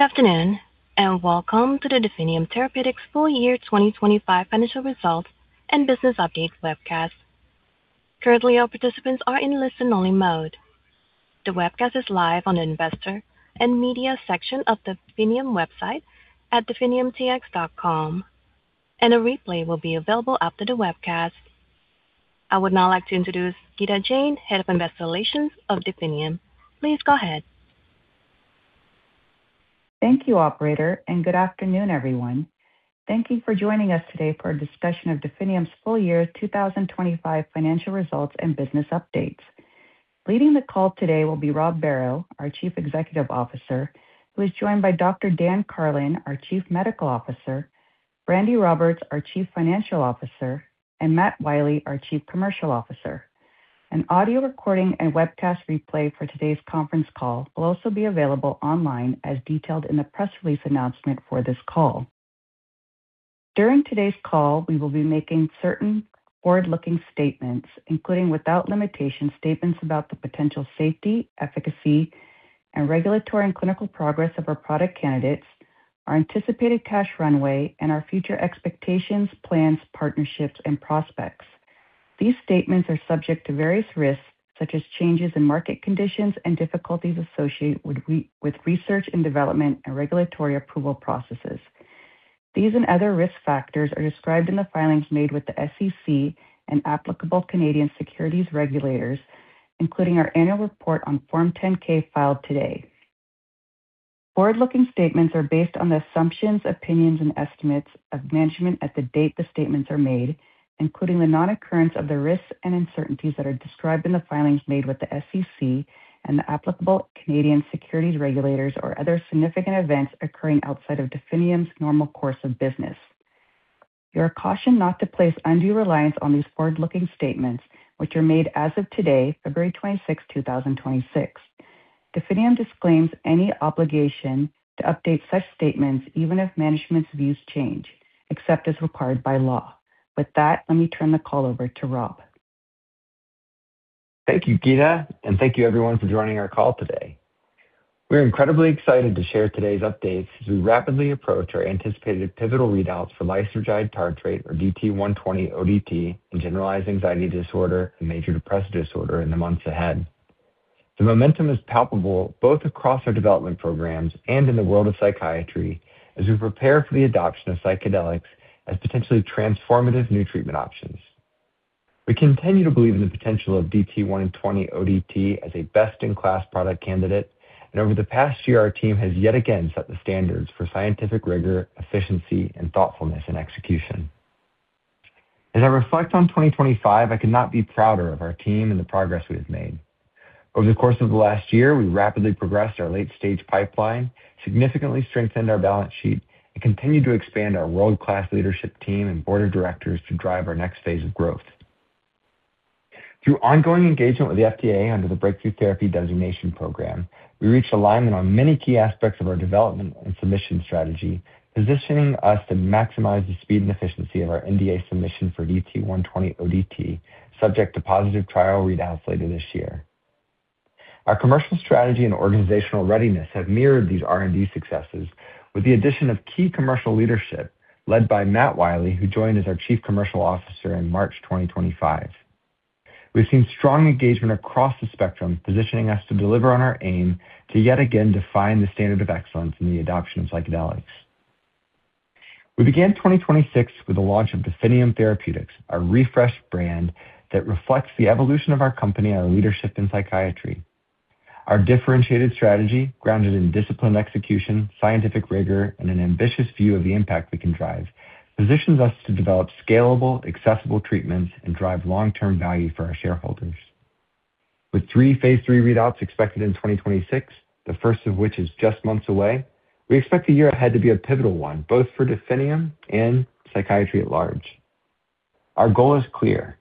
Good afternoon, welcome to the Definium Therapeutics' Full Year 2025 Financial Results and BusinessUpdate Webcast. Currently, all participants are in listen-only mode. The webcast is live on the Investor and Media section of the Definium website at definiumtx.com, and a replay will be available after the webcast. I would now like to introduce Gitan Jain, Head of Investor Relations of Definium. Please go ahead. Thank you, operator, and good afternoon, everyone. Thank you for joining us today for a discussion of Definium's Full Year 2025 Financial Results and Business Updates. Leading the call today will be Rob Barrow, our Chief Executive Officer, who is joined by Dr. Daniel Karlin, our Chief Medical Officer, Brandi Roberts, our Chief Financial Officer, and Matt Wiley, our Chief Commercial Officer. An audio recording and webcast replay for today's conference call will also be available online, as detailed in the press release announcement for this call. During today's call, we will be making certain forward-looking statements, including, without limitation, statements about the potential safety, efficacy, and regulatory and clinical progress of our product candidates, our anticipated cash runway, and our future expectations, plans, partnerships, and prospects. These statements are subject to various risks, such as changes in market conditions and difficulties associated with research and development and regulatory approval processes. These and other risk factors are described in the filings made with the SEC and applicable Canadian securities regulators, including our annual report on Form 10-K filed today. Forward-looking statements are based on the assumptions, opinions, and estimates of management at the date the statements are made, including the non-occurrence of the risks and uncertainties that are described in the filings made with the SEC and the applicable Canadian securities regulators or other significant events occurring outside of Definium's normal course of business. You are cautioned not to place undue reliance on these forward-looking statements, which are made as of today, February26th, 2026. Definium disclaims any obligation to update such statements, even if management's views change, except as required by law. With that, let me turn the call over to Rob. Thank you, Gita. Thank you everyone for joining our call today. We're incredibly excited to share today's updates as we rapidly approach our anticipated pivotal readouts for lysergide tartrate or DT120 ODT in generalized anxiety disorder and major depressive disorder in the months ahead. The momentum is palpable both across our development programs and in the world of psychiatry, as we prepare for the adoption of psychedelics as potentially transformative new treatment options. We continue to believe in the potential of DT120 ODT as a best-in-class product candidate. Over the past year, our team has yet again set the standards for scientific rigor, efficiency, and thoughtfulness in execution. As I reflect on 2025, I could not be prouder of our team and the progress we have made. Over the course of the last year, we rapidly progressed our late-stage pipeline, significantly strengthened our balance sheet, and continued to expand our world-class leadership team and board of directors to drive our next phase of growth. Through ongoing engagement with the FDA under the Breakthrough Therapy Designation program, we reached alignment on many key aspects of our development and submission strategy, positioning us to maximize the speed and efficiency of our NDA submission for DT120 ODT, subject to positive trial readouts later this year. Our commercial strategy and organizational readiness have mirrored these R&D successes with the addition of key commercial leadership led by Matt Wiley, who joined as our chief commercial officer in March 2025. We've seen strong engagement across the spectrum, positioning us to deliver on our aim to yet again define the standard of excellence in the adoption of psychedelics. We began 2026 with the launch of Definium Therapeutics, a refreshed brand that reflects the evolution of our company and our leadership in psychiatry. Our differentiated strategy, grounded in disciplined execution, scientific rigor, and an ambitious view of the impact we can drive, positions us to develop scalable, accessible treatments and drive long-term value for our shareholders. With three phase III readouts expected in 2026, the first of which is just months away, we expect the year ahead to be a pivotal one, both for Definium and psychiatry at large. Our goal is clear: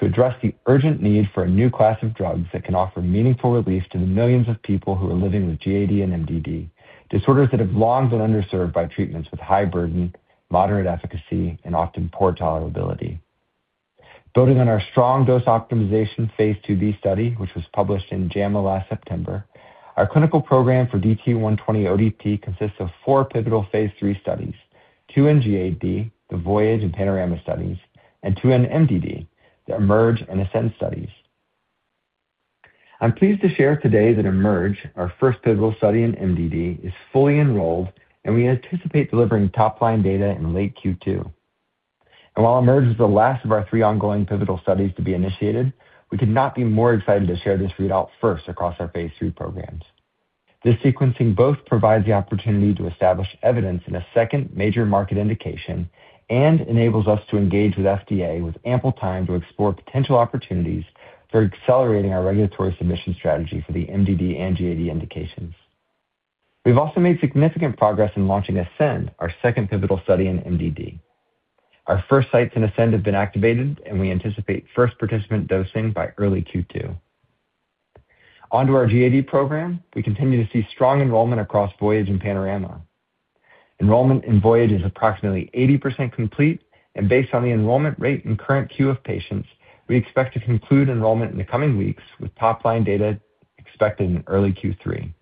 to address the urgent need for a new class of drugs that can offer meaningful relief to the millions of people who are living with GAD and MDD, disorders that have long been underserved by treatments with high burden, moderate efficacy, and often poor tolerability. Building on our strong dose optimization phase IIb study, which was published in JAMA last September, our clinical program for DT120 ODT consists of four pivotal phase III studies, two in GAD, the Voyage and Panorama studies, and two in MDD, the Emerge and Ascend studies. I'm pleased to share today that Emerge, our first pivotal study in MDD, is fully enrolled, and we anticipate delivering top-line data in late Q2. While Emerge is the last of our three ongoing pivotal studies to be initiated, we could not be more excited to share this readout first across our phase III programs. This sequencing both provides the opportunity to establish evidence in a second major market indication and enables us to engage with FDA with ample time to explore potential opportunities for accelerating our regulatory submission strategy for the MDD and GAD indications. We've also made significant progress in launching Ascend, our second pivotal study in MDD. Our first sites in Ascend have been activated, we anticipate first participant dosing by early Q2. Onto our GAD program, we continue to see strong enrollment across Voyage and Panorama. Enrollment in Voyage is approximately 80% complete, based on the enrollment rate and current queue of patients, we expect to conclude enrollment in the coming weeks, with top-line data expected in early Q3.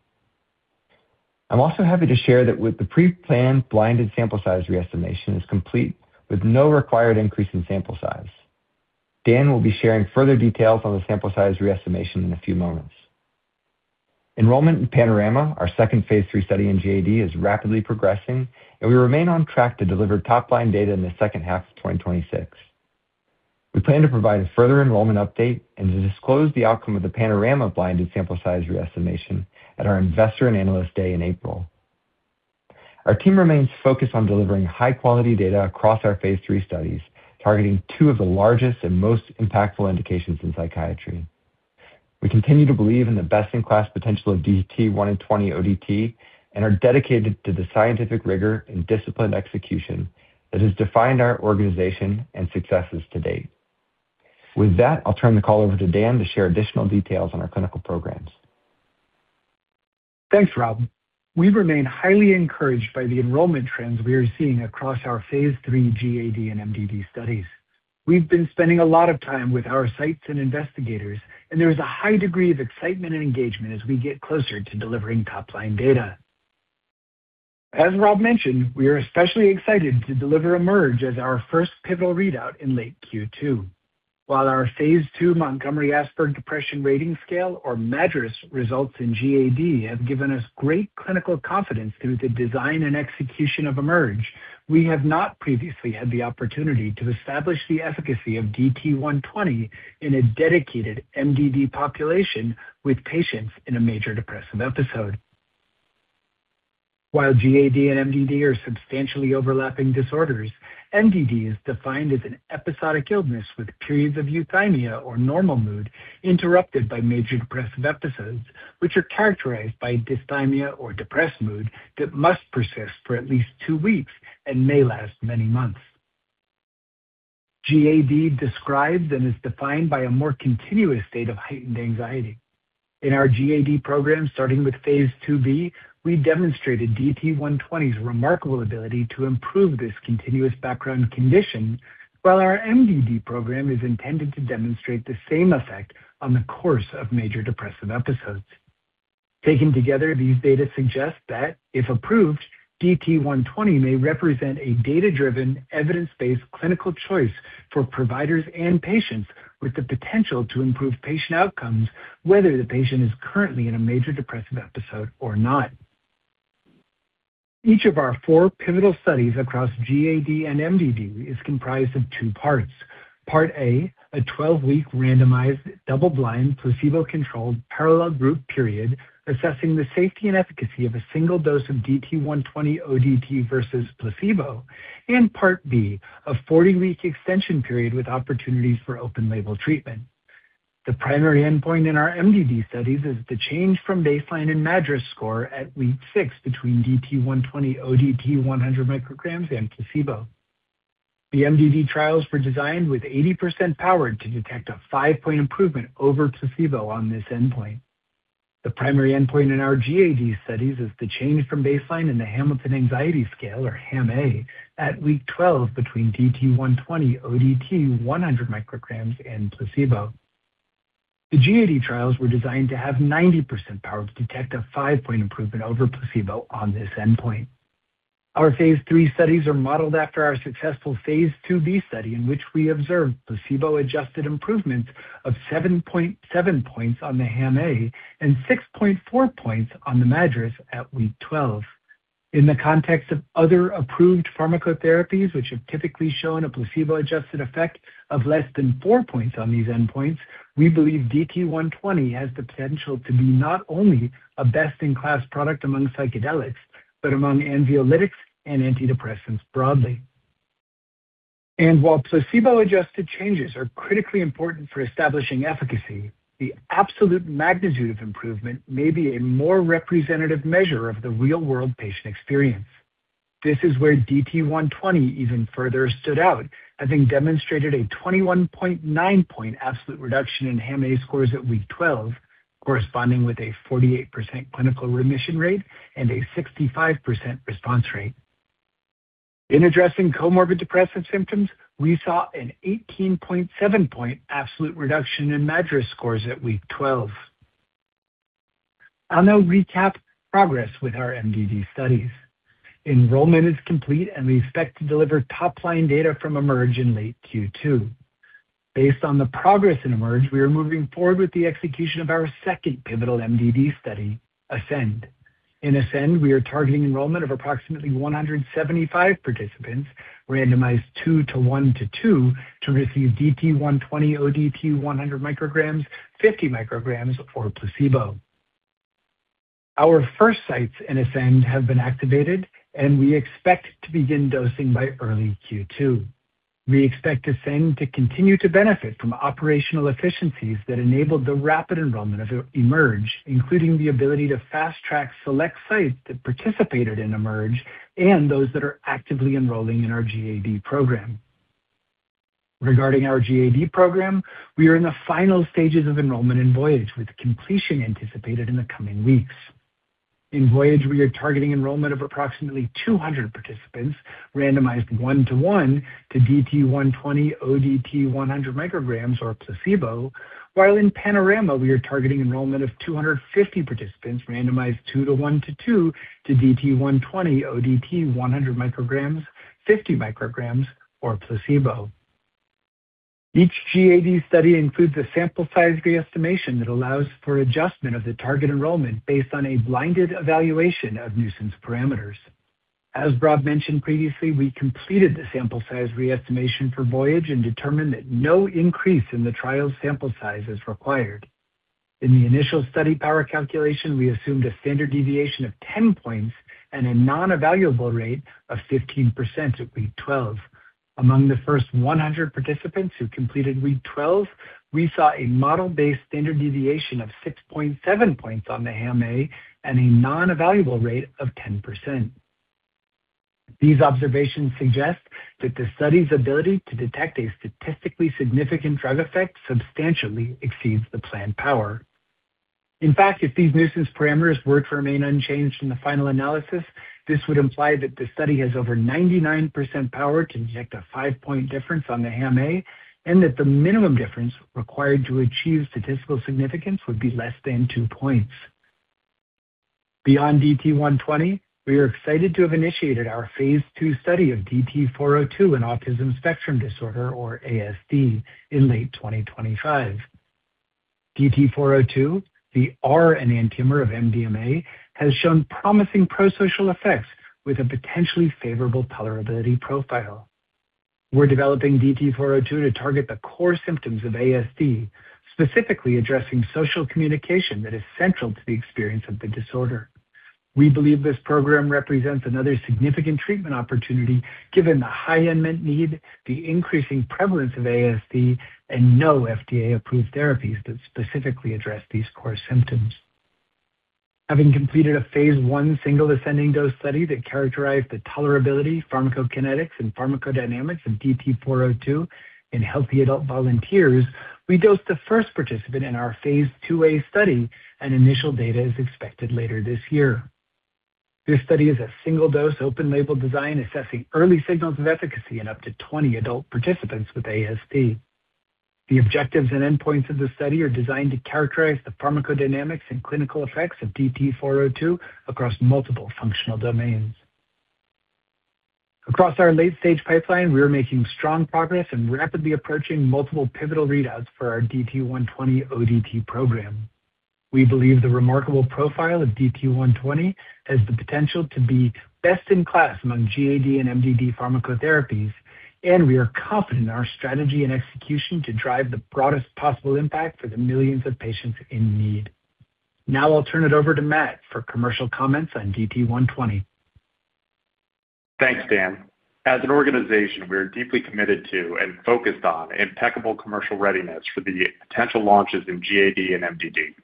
I'm also happy to share that with the pre-planned blinded sample size re-estimation is complete, with no required increase in sample size. Dan will be sharing further details on the sample size re-estimation in a few moments. Enrollment in Panorama, our second phase III study in GAD, is rapidly progressing, we remain on track to deliver top-line data in the second half of 2026. We plan to provide a further enrollment update and to disclose the outcome of the Panorama blinded sample size re-estimation at our Investor and Analyst Day in April. Our team remains focused on delivering high-quality data across our phase III studies, targeting two of the largest and most impactful indications in psychiatry. We continue to believe in the best-in-class potential of DT120 ODT and are dedicated to the scientific rigor and disciplined execution that has defined our organization and successes to date. With that, I'll turn the call over to Dan to share additional details on our clinical programs. Thanks, Rob. We remain highly encouraged by the enrollment trends we are seeing across our phase III GAD and MDD studies. We've been spending a lot of time with our sites and investigators. There is a high degree of excitement and engagement as we get closer to delivering top-line data. As Rob mentioned, we are especially excited to deliver Emerge as our first pivotal readout in late Q2. While our phase II Montgomery-Åsberg Depression Rating Scale, or MADRS, results in GAD have given us great clinical confidence through the design and execution of Emerge, we have not previously had the opportunity to establish the efficacy of DT120 in a dedicated MDD population with patients in a major depressive episode. While GAD and MDD are substantially overlapping disorders, MDD is defined as an episodic illness with periods of dysthymia or normal mood, interrupted by major depressive episodes, which are characterized by dysthymia or depressed mood that must persist for at least two weeks and may last many months. GAD describes and is defined by a more continuous state of heightened anxiety. In our GAD program, starting with phase IIb, we demonstrated DT120's remarkable ability to improve this continuous background condition, while our MDD program is intended to demonstrate the same effect on the course of major depressive episodes. Taken together, these data suggest that, if approved, DT120 may represent a data-driven, evidence-based clinical choice for providers and patients with the potential to improve patient outcomes, whether the patient is currently in a major depressive episode or not. Each of our four pivotal studies across GAD and MDD is comprised of two parts. part A, a 12-week randomized, double-blind, placebo-controlled, parallel group period, assessing the safety and efficacy of a single dose of DT120 ODT versus placebo, and part B, a 40-week extension period with opportunities for open label treatment. The primary endpoint in our MDD studies is the change from baseline and MADRS score at week six between DT120 ODT 100µg and placebo. The MDD trials were designed with 80% power to detect a five-point improvement over placebo on this endpoint. The primary endpoint in our GAD studies is the change from baseline in the Hamilton Anxiety Scale, or HAM-A, at week 12 between DT120 ODT 100µg and placebo. The GAD trials were designed to have 90% power to detect a five-point improvement over placebo on this endpoint. Our phase III studies are modeled after our successful phase IIb study, in which we observed placebo-adjusted improvements of 7.7 points on the HAM-A and 6.4 points on the MADRS at week 12. In the context of other approved pharmacotherapies, which have typically shown a placebo-adjusted effect of less than four points on these endpoints, we believe DT120 has the potential to be not only a best-in-class product among psychedelics, but among anxiolytics and antidepressants broadly. While placebo-adjusted changes are critically important for establishing efficacy, the absolute magnitude of improvement may be a more representative measure of the real-world patient experience. This is where DT120 even further stood out, having demonstrated a 21.9 point absolute reduction in HAM-A scores at week 12, corresponding with a 48% clinical remission rate and a 65% response rate. In addressing comorbid depressive symptoms, we saw an 18.7 point absolute reduction in MADRS scores at week 12. I'll now recap progress with our MDD studies. Enrollment is complete, and we expect to deliver top-line data from Emerge in late Q2. Based on the progress in Emerge, we are moving forward with the execution of our second pivotal MDD study, Ascend. In Ascend, we are targeting enrollment of approximately 175 participants, randomized two to one to two, to receive DT120 ODT 100µg, 50µg, or placebo. Our first sites in Ascend have been activated, and we expect to begin dosing by early Q2. We expect Ascend to continue to benefit from operational efficiencies that enabled the rapid enrollment of Emerge, including the ability to fast-track select sites that participated in Emerge and those that are actively enrolling in our GAD program. Regarding our GAD program, we are in the final stages of enrollment in Voyage, with completion anticipated in the coming weeks. In Voyage, we are targeting enrollment of approximately 200 participants, randomized one to one to DT120 ODT 100µg or placebo, while in Panorama, we are targeting enrollment of 250 participants, randomized two to one to two to DT120 ODT 100µg, 50µg, or placebo. Each GAD study includes a sample size re-estimation that allows for adjustment of the target enrollment based on a blinded evaluation of nuisance parameters. As Rob mentioned previously, we completed the sample size re-estimation for Voyage and determined that no increase in the trial's sample size is required. In the initial study power calculation, we assumed a standard deviation of 10 points and a non-evaluable rate of 15% at week 12. Among the first 100 participants who completed week 12, we saw a model-based standard deviation of 6.7 points on the HAM-A and a non-evaluable rate of 10%. These observations suggest that the study's ability to detect a statistically significant drug effect substantially exceeds the planned power. In fact, if these nuisance parameters were to remain unchanged in the final analysis, this would imply that the study has over 99% power to detect a five-point difference on the HAM-A, and that the minimum difference required to achieve statistical significance would be less than two points. Beyond DT120, we are excited to have initiated our phase II study of DT-402 in autism spectrum disorder, or ASD, in late 2025. DT-402, the R-enantiomer of MDMA, has shown promising prosocial effects with a potentially favorable tolerability profile. We're developing DT-402 to target the core symptoms of ASD, specifically addressing social communication that is central to the experience of the disorder. We believe this program represents another significant treatment opportunity, given the high unmet need, the increasing prevalence of ASD, and no FDA-approved therapies that specifically address these core symptoms. Having completed a phase I single ascending dose study that characterized the tolerability, pharmacokinetics, and pharmacodynamics of DT-402 in healthy adult volunteers, we dosed the first participant in our phase IIa study, and initial data is expected later this year. This study is a single-dose, open label design assessing early signals of efficacy in up to 20 adult participants with ASD. The objectives and endpoints of the study are designed to characterize the pharmacodynamics and clinical effects of DT-402 across multiple functional domains. Across our late-stage pipeline, we are making strong progress and rapidly approaching multiple pivotal readouts for our DT120 ODT program. We believe the remarkable profile of DT120 has the potential to be best in class among GAD and MDD pharmacotherapies, and we are confident in our strategy and execution to drive the broadest possible impact for the millions of patients in need. I'll turn it over to Matt for commercial comments on DT120. Thanks, Dan. As an organization, we are deeply committed to and focused on impeccable commercial readiness for the potential launches in GAD and MDD.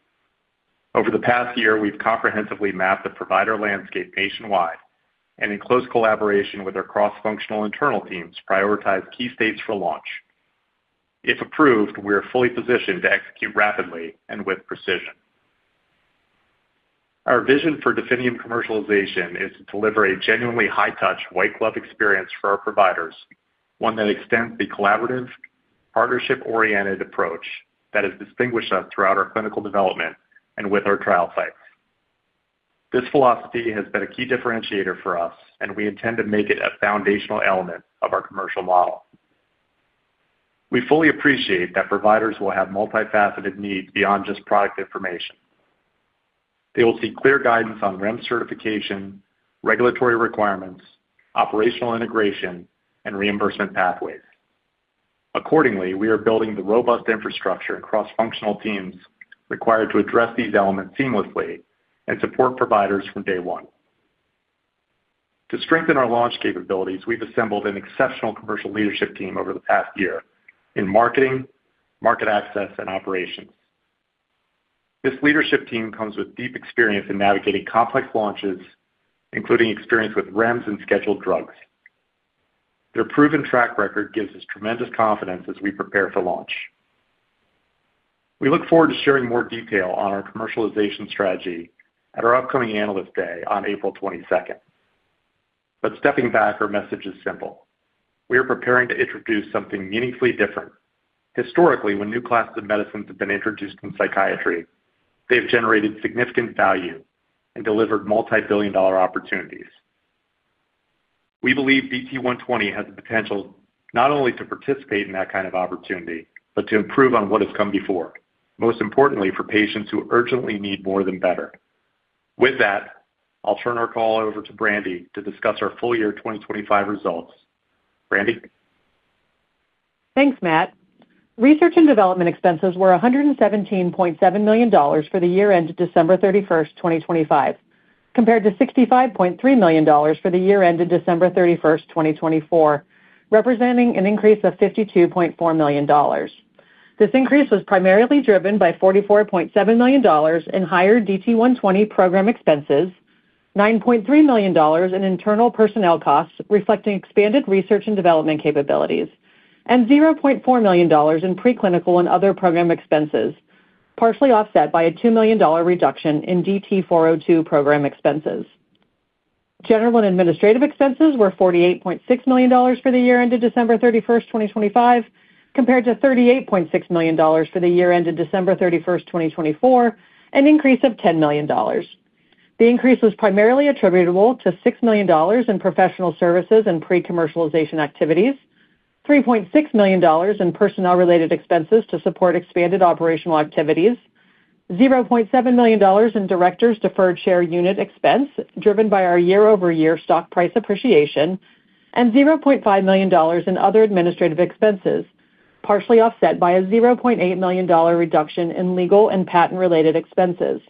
Over the past year, we've comprehensively mapped the provider landscape nationwide and in close collaboration with our cross-functional internal teams, prioritized key states for launch. If approved, we are fully positioned to execute rapidly and with precision. Our vision for Definium commercialization is to deliver a genuinely high-touch, white-glove experience for our providers, one that extends the collaborative, partnership-oriented approach that has distinguished us throughout our clinical development and with our trial sites. This philosophy has been a key differentiator for us, and we intend to make it a foundational element of our commercial model. We fully appreciate that providers will have multifaceted needs beyond just product information. They will seek clear guidance on REMS certification, regulatory requirements, operational integration, and reimbursement pathways. Accordingly, we are building the robust infrastructure and cross-functional teams required to address these elements seamlessly and support providers from day one. To strengthen our launch capabilities, we've assembled an exceptional commercial leadership team over the past year in marketing, market access, and operations. This leadership team comes with deep experience in navigating complex launches, including experience with REMS and scheduled drugs. Their proven track record gives us tremendous confidence as we prepare for launch. We look forward to sharing more detail on our commercialization strategy at our upcoming Analyst Day on April 22nd. Stepping back, our message is simple: We are preparing to introduce something meaningfully different. Historically, when new classes of medicines have been introduced in psychiatry, they've generated significant value and delivered multi-billion dollar opportunities. We believe DT 120 has the potential not only to participate in that kind of opportunity, but to improve on what has come before, most importantly, for patients who urgently need more than better. With that, I'll turn our call over to Brandi to discuss our full year 2025 results. Brandi? Thanks, Matt. Research and development expenses were $117.7 million for the year ended December 31st, 2025, compared to $65.3 million for the year ended December 31st, 2024, representing an increase of $52.4 million. This increase was primarily driven by $44.7 million in higher DT120 program expenses. $9.3 million in internal personnel costs, reflecting expanded research and development capabilities, and $0.4 million in preclinical and other program expenses, partially offset by a $2 million reduction in DT-402 program expenses. General and administrative expenses were $48.6 million for the year ended December 31st, 2025, compared to $38.6 million for the year ended December 31st, 2024, an increase of $10 million. The increase was primarily attributable to $6 million in professional services and pre-commercialization activities, $3.6 million in personnel related expenses to support expanded operational activities, $0.7 million in directors deferred share unit expense, driven by our year-over-year stock price appreciation, and $0.5 million in other administrative expenses, partially offset by a $0.8 million reduction in legal and patent related expenses.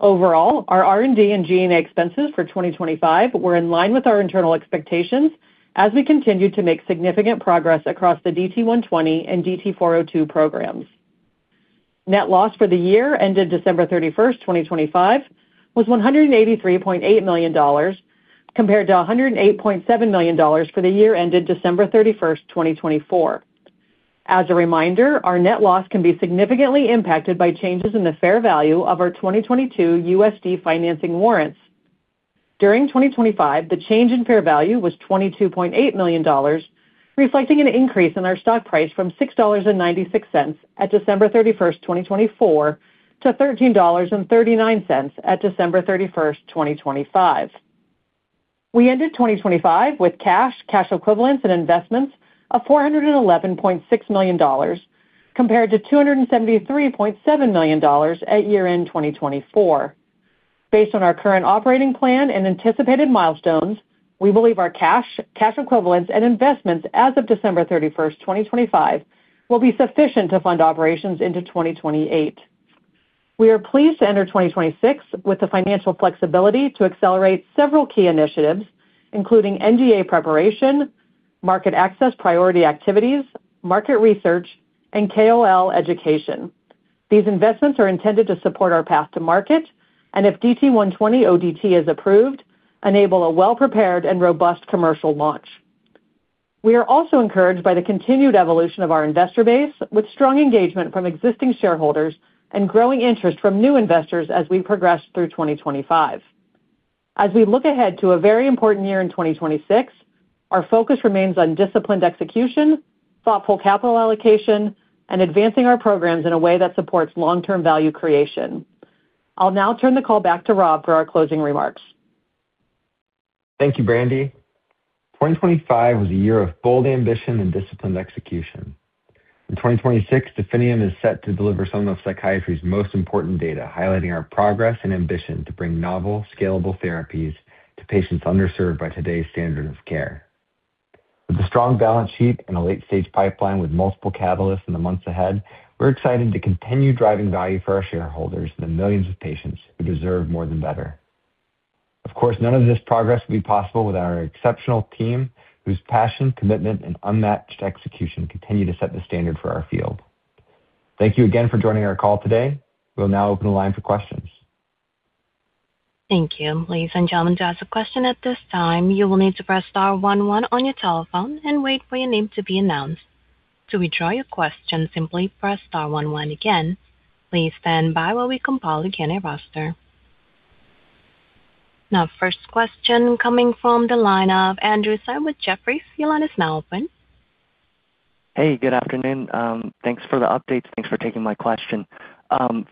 Overall, our R&D and G&A expenses for 2025 were in line with our internal expectations as we continued to make significant progress across the DT120 and DT-402 programs. Net loss for the year ended December 31st, 2025, was $183.8 million, compared to $108.7 million for the year ended December 31st, 2024. As a reminder, our net loss can be significantly impacted by changes in the fair value of our 2022 USD Financing Warrants. During 2025, the change in fair value was $22.8 million, reflecting an increase in our stock price from $6.96 at December 31st, 2024, to $13.39 at December 31st, 2025. We ended 2025 with cash equivalents and investments of $411.6 million, compared to $273.7 million at year end, 2024. Based on our current operating plan and anticipated milestones, we believe our cash equivalents and investments as of December 31st, 2025, will be sufficient to fund operations into 2028. We are pleased to enter 2026 with the financial flexibility to accelerate several key initiatives, including NDA preparation, market access, priority activities, market research, and KOL education. These investments are intended to support our path to market and if DT120 ODT is approved, enable a well-prepared and robust commercial launch. We are also encouraged by the continued evolution of our investor base, with strong engagement from existing shareholders and growing interest from new investors as we progress through 2025. We look ahead to a very important year in 2026, our focus remains on disciplined execution, thoughtful capital allocation, and advancing our programs in a way that supports long-term value creation. I'll now turn the call back to Rob for our closing remarks. Thank you, Brandi. 2025 was a year of bold ambition and disciplined execution. In 2026, Definium is set to deliver some of psychiatry's most important data, highlighting our progress and ambition to bring novel, scalable therapies to patients underserved by today's standard of care. With a strong balance sheet and a late stage pipeline with multiple catalysts in the months ahead, we're excited to continue driving value for our shareholders and the millions of patients who deserve more than better. Of course, none of this progress would be possible without our exceptional team, whose passion, commitment, and unmatched execution continue to set the standard for our field. Thank you again for joining our call today. We'll now open the line for questions. Thank you. Ladies and gentlemen, to ask a question at this time, you will need to press star one one on your telephone and wait for your name to be announced. To withdraw your question, simply press star one one again. Please stand by while we compile the Q&A roster. First question coming from the line of Andrew Tsai with Jefferies. Your line is now open. Hey, good afternoon. Thanks for the updates. Thanks for taking my question.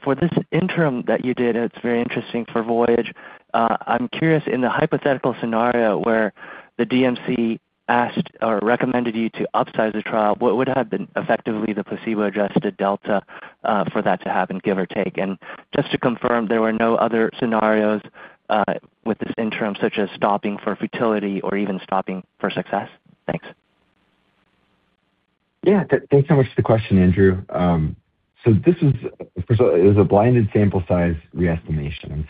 For this interim that you did, it's very interesting for Voyage. I'm curious, in the hypothetical scenario where the DMC asked or recommended you to upsize the trial, what would have been effectively the placebo-adjusted delta, for that to happen, give or take? Just to confirm, there were no other scenarios, with this interim, such as stopping for futility or even stopping for success? Thanks. Yeah, thanks so much for the question, Andrew. This is, first of all, it was a blinded sample size re-estimation.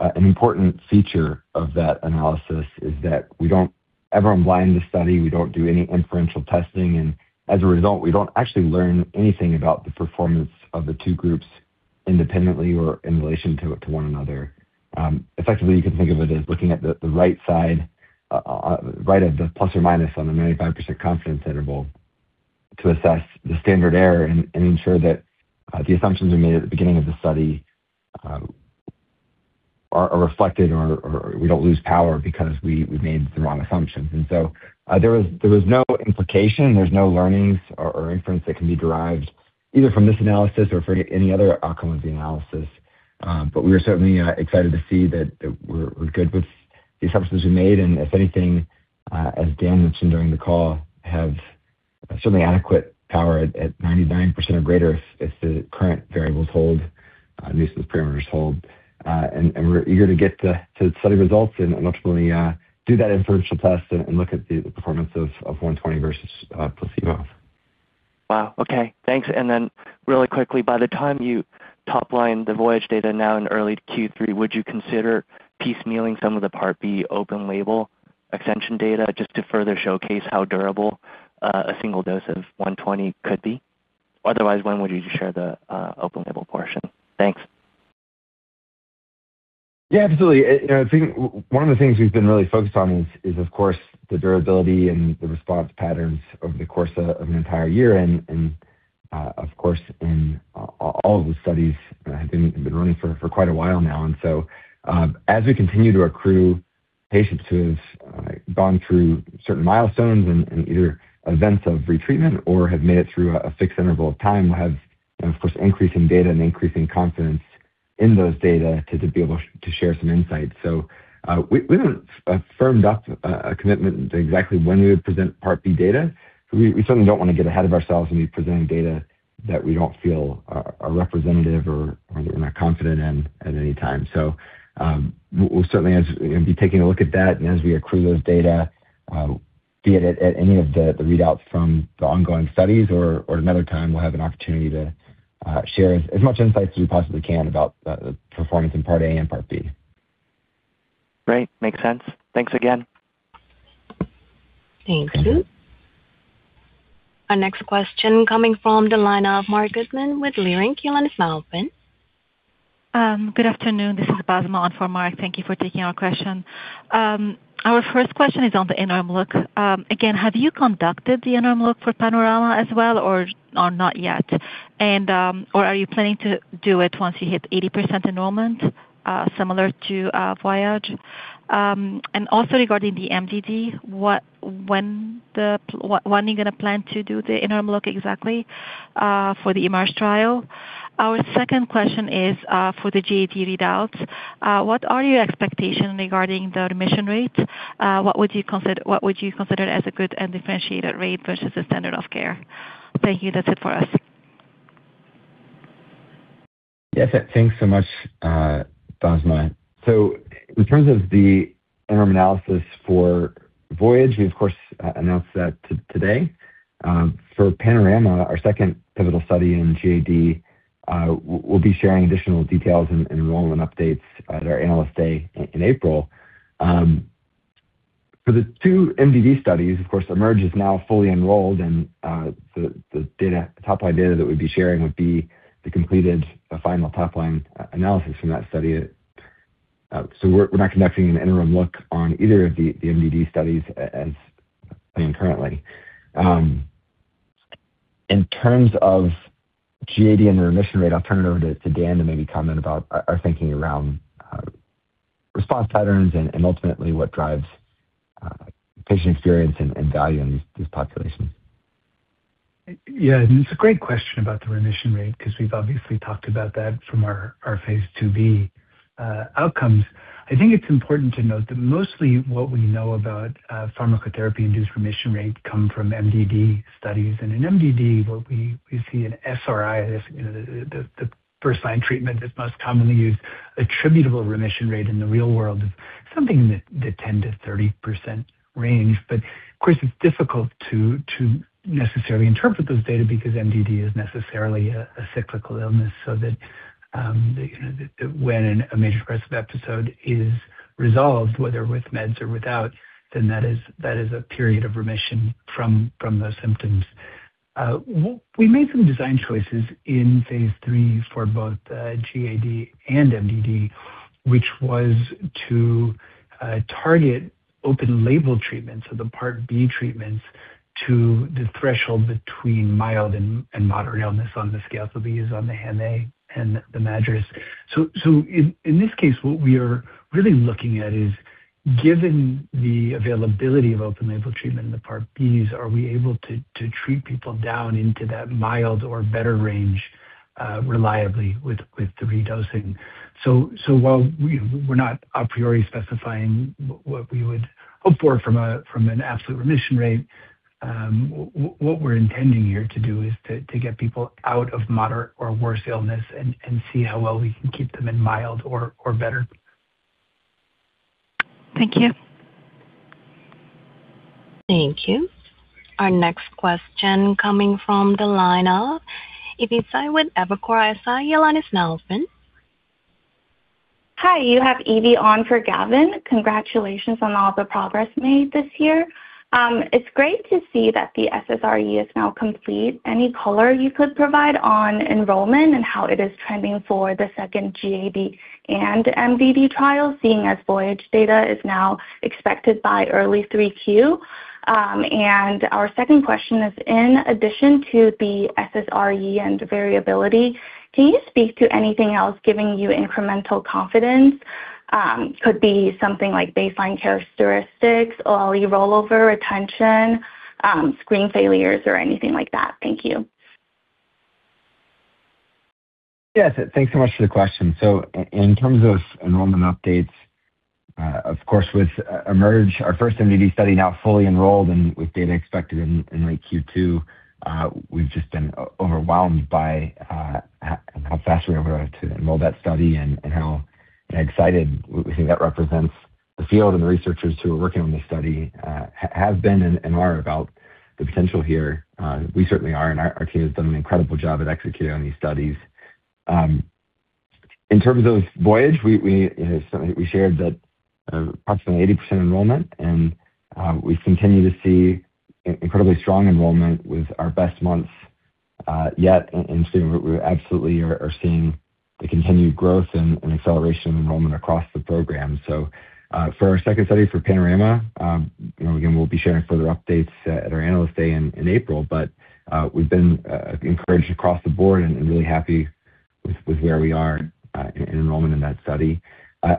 An important feature of that analysis is that we don't ever unblind the study. We don't do any inferential testing, and as a result, we don't actually learn anything about the performance of the two groups independently or in relation to one another. Effectively, you can think of it as looking at the right side, right of the plus or minus on the 95% confidence interval to assess the standard error and ensure that the assumptions we made at the beginning of the study are reflected or we don't lose power because we made the wrong assumptions. There was no implication, there's no learnings or inference that can be derived either from this analysis or for any other outcome of the analysis. We are certainly excited to see that we're good with the assumptions we made. If anything, as Dan mentioned during the call, have certainly adequate power at 99% or greater if the current variables hold, at least those parameters hold. We're eager to get to study results and ultimately do that inferential test and look at the performance of DT120 versus placebo. Wow. Okay, thanks. really quickly, by the time you top line the Voyage data now in early Q3, would you consider piecemealing some of the part B open label extension data just to further showcase how durable, a single dose of 120 could be? Otherwise, when would you share the open label portion? Thanks. Yeah, absolutely. you know, I think one of the things we've been really focused on is, of course, the durability and the response patterns over the course of an entire year. Of course, in all of the studies have been running for quite a while now. As we continue to accrue patients who have gone through certain milestones and either events of retreatment or have made it through a fixed interval of time, we'll have, of course, increasing data and increasing confidence in those data to be able to share some insights. We haven't firmed up a commitment to exactly when we would present part B data. We certainly don't want to get ahead of ourselves when we present data that we don't feel are representative or we're not confident in at any time. We'll certainly be taking a look at that and as we accrue those data, be it at any of the readouts from the ongoing studies or another time, we'll have an opportunity to share as much insights as we possibly can about the performance in part A and part B. Great. Makes sense. Thanks again. Thank you. Our next question coming from the line of Marc Goodman with Leerink. Your line is now open. Good afternoon. This is Basma on for Marc. Thank you for taking our question. Our first question is on the interim look. Again, have you conducted the interim look for Panorama as well, or not yet? Or are you planning to do it once you hit 80% enrollment, similar to Voyage? Also regarding the MDD, when are you going to plan to do the interim look exactly for the Emerge trial? Our second question is for the GAD readouts. What are your expectations regarding the remission rate? What would you consider as a good and differentiated rate versus the standard of care? Thank you. That's it for us. Yes, thanks so much, Basma. In terms of the interim analysis for Voyage, we of course, announced that today. For Panorama, our second pivotal study in GAD, we'll be sharing additional details and enrollment updates at our Analyst Day in April. For the two MDD studies, of course, Emerge is now fully enrolled, and the data, the top-line data that we'd be sharing would be the completed final top-line analysis from that study. We're not conducting an interim look on either of the MDD studies as planned currently. In terms of GAD and the remission rate, I'll turn it over to Dan to maybe comment about our thinking around response patterns and ultimately what drives patient experience and value in these populations. It's a great question about the remission rate, because we've obviously talked about that from our phase IIb outcomes. I think it's important to note that mostly what we know about pharmacotherapy-induced remission rate come from MDD studies. In MDD, what we see an SRI, as, you know, the first-line treatment that's most commonly used, attributable remission rate in the real world is something in the 10% to 30% range. Of course, it's difficult to necessarily interpret those data because MDD is necessarily a cyclical illness, so that, you know, when a major depressive episode is resolved, whether with meds or without, then that is a period of remission from those symptoms. We made some design choices in phase III for both GAD and MDD, which was to target open-label treatments, so the part B treatments, to the threshold between mild and moderate illness on the scale, so these on the HAM-A and the MADRS. In this case, what we are really looking at is, given the availability of open-label treatment in the part Bs, are we able to treat people down into that mild or better range reliably with the redosing? While we're not a priori specifying what we would hope for from an absolute remission rate, what we're intending here to do is to get people out of moderate or worse illness and see how well we can keep them in mild or better. Thank you. Thank you. Our next question coming from the line of [inaudible] with Evercore ISI. Your line is now open. Hi, you have Evie on for Gavin. Congratulations on all the progress made this year. It's great to see that the SSRE is now complete. Any color you could provide on enrollment and how it is trending for the second GAD and MDD trial, seeing as Voyage data is now expected by early 3Q? Our second question is, in addition to the SSRE and variability, can you speak to anything else giving you incremental confidence? Could be something like baseline characteristics or rollover retention, screen failures, or anything like that. Thank you. Yes, thanks so much for the question. In terms of enrollment updates, of course, with Emerge, our first MDD study, now fully enrolled and with data expected in late Q2. We've just been overwhelmed by how fast we were able to enroll that study and how excited we think that represents the field and the researchers who are working on this study, have been and are about the potential here. We certainly are, and our team has done an incredible job at executing on these studies. In terms of Voyage, we shared that approximately 80% enrollment, and we continue to see incredibly strong enrollment with our best months yet. We absolutely are seeing the continued growth and acceleration enrollment across the program. For our second study for Panorama, you know, again, we'll be sharing further updates at our Analyst Day in April, we've been encouraged across the board and really happy with where we are in enrollment in that study.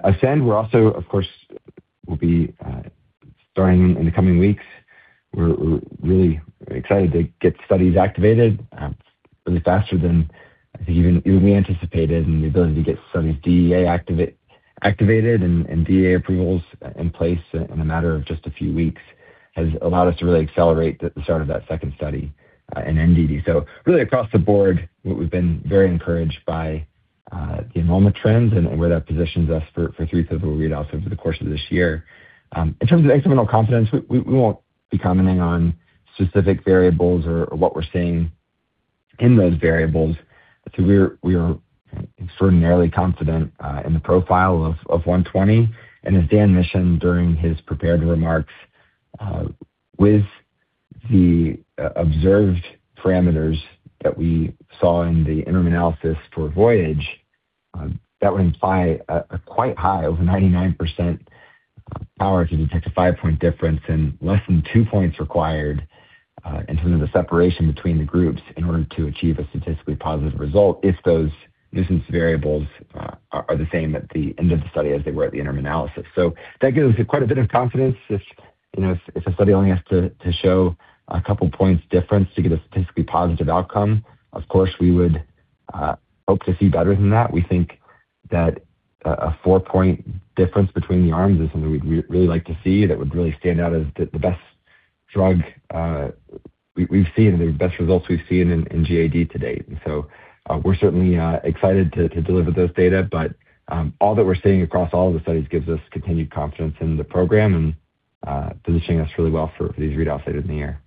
Ascend, we'll be starting in the coming weeks. We're really excited to get studies activated really faster than even we anticipated. The ability to get studies DEA activated and DEA approvals in place in a matter of just a few weeks has allowed us to really accelerate the start of that second study in MDD. Really, across the board, we've been very encouraged by the enrollment trends and where that positions us for three critical readouts over the course of this year. In terms of experimental confidence, we won't be commenting on specific variables or what we're seeing in those variables. We are extraordinarily confident in the profile of DT120. As Dan mentioned during his prepared remarks, with the observed parameters that we saw in the interim analysis for Voyage, that would imply a quite high, over 99% power to detect a five-point difference and less than two points required in terms of the separation between the groups in order to achieve a statistically positive result, if those nuisance variables are the same at the end of the study as they were at the interim analysis. That gives us quite a bit of confidence if, you know, if a study only has to show a couple points difference to get a statistically positive outcome. Of course, we would hope to see better than that. We think that a four-point difference between the arms is something we'd really like to see. That would really stand out as the best drug we've seen, the best results we've seen in GAD to date. We're certainly excited to deliver those data. All that we're seeing across all of the studies gives us continued confidence in the program and positioning us really well for these readouts later in the year.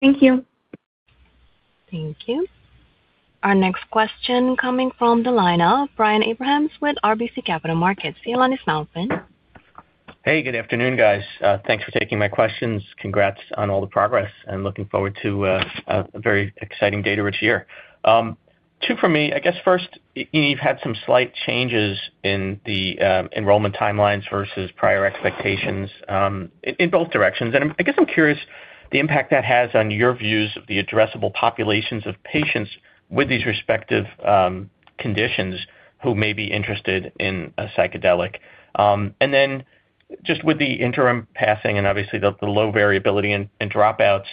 Thank you. Thank you. Our next question coming from the line of Brian Abrahams with RBC Capital Markets. Your line is now open. Hey, good afternoon, guys. Thanks for taking my questions. Congrats on all the progress, looking forward to a very exciting data-rich year. Two for me. I guess first, you've had some slight changes in the enrollment timelines versus prior expectations, in both directions. I guess I'm curious the impact that has on your views of the addressable populations of patients with these respective conditions who may be interested in a psychedelic. Then just with the interim passing and obviously the low variability and dropouts,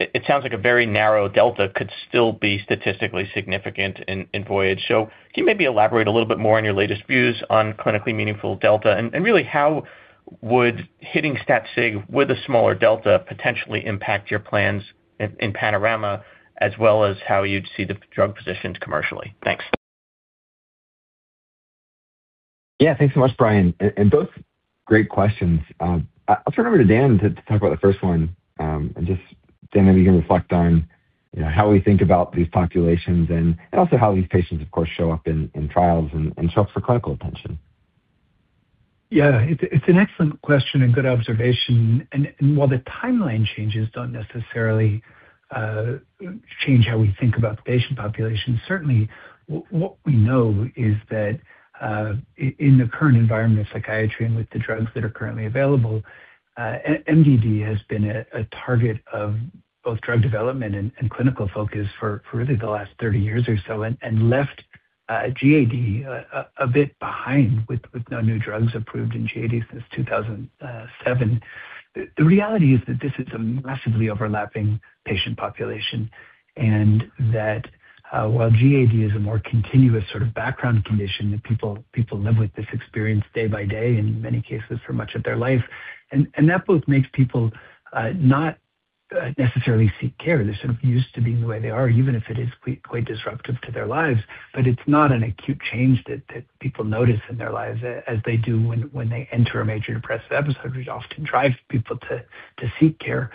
it sounds like a very narrow delta could still be statistically significant in Voyage. Can you maybe elaborate a little bit more on your latest views on clinically meaningful delta? Really, how would hitting stat sig with a smaller delta potentially impact your plans in Panorama, as well as how you'd see the drug positioned commercially? Thanks. Yeah. Thanks so much, Brian, and both great questions. I'll turn over to Dan to talk about the first one. Just, Dan, maybe you can reflect on, you know, how we think about these populations and also how these patients, of course, show up in trials and show up for clinical attention. Yeah, it's an excellent question and good observation. While the timeline changes don't necessarily change how we think about the patient population, certainly what we know is that in the current environment of psychiatry and with the drugs that are currently available, MDD has been a target of both drug development and clinical focus for really the last 30 years or so, and left GAD a bit behind with no new drugs approved in GAD since 2007. The reality is that this is a massively overlapping patient population, and that while GAD is a more continuous sort of background condition, that people live with this experience day by day, in many cases for much of their life. And that both makes people not necessarily seek care. They're sort of used to being the way they are, even if it is quite disruptive to their lives. It's not an acute change that people notice in their lives as they do when they enter a major depressive episode, which often drives people to seek care.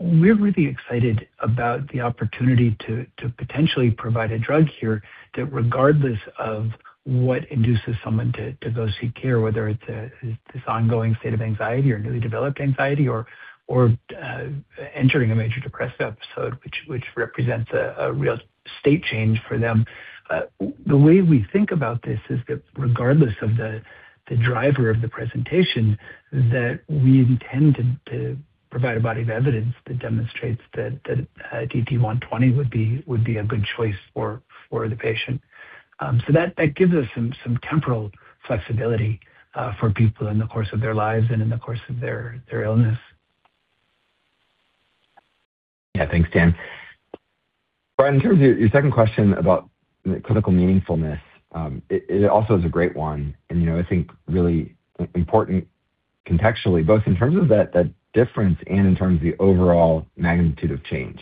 We're really excited about the opportunity to potentially provide a drug here that regardless of what induces someone to go seek care, whether it's this ongoing state of anxiety or newly developed anxiety or entering a major depressive episode, which represents a real state change for them. The way we think about this is that regardless of the driver of the presentation, that we intend to provide a body of evidence that demonstrates that DT120 would be a good choice for the patient. That gives us some temporal flexibility, for people in the course of their lives and in the course of their illness. Thanks, Dan. Brian, in terms of your second question about clinical meaningfulness, it also is a great one, and, you know, I think really important contextually, both in terms of that difference and in terms of the overall magnitude of change.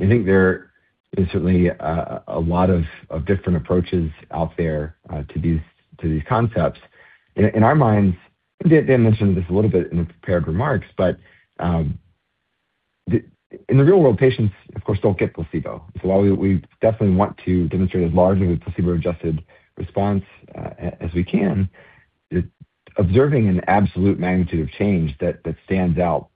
I think there is certainly a lot of different approaches out there to these concepts. In our minds, Dan mentioned this a little bit in the prepared remarks, but in the real world, patients, of course, don't get placebo. While we definitely want to demonstrate as large of a placebo-adjusted response as we can, observing an absolute magnitude of change that stands out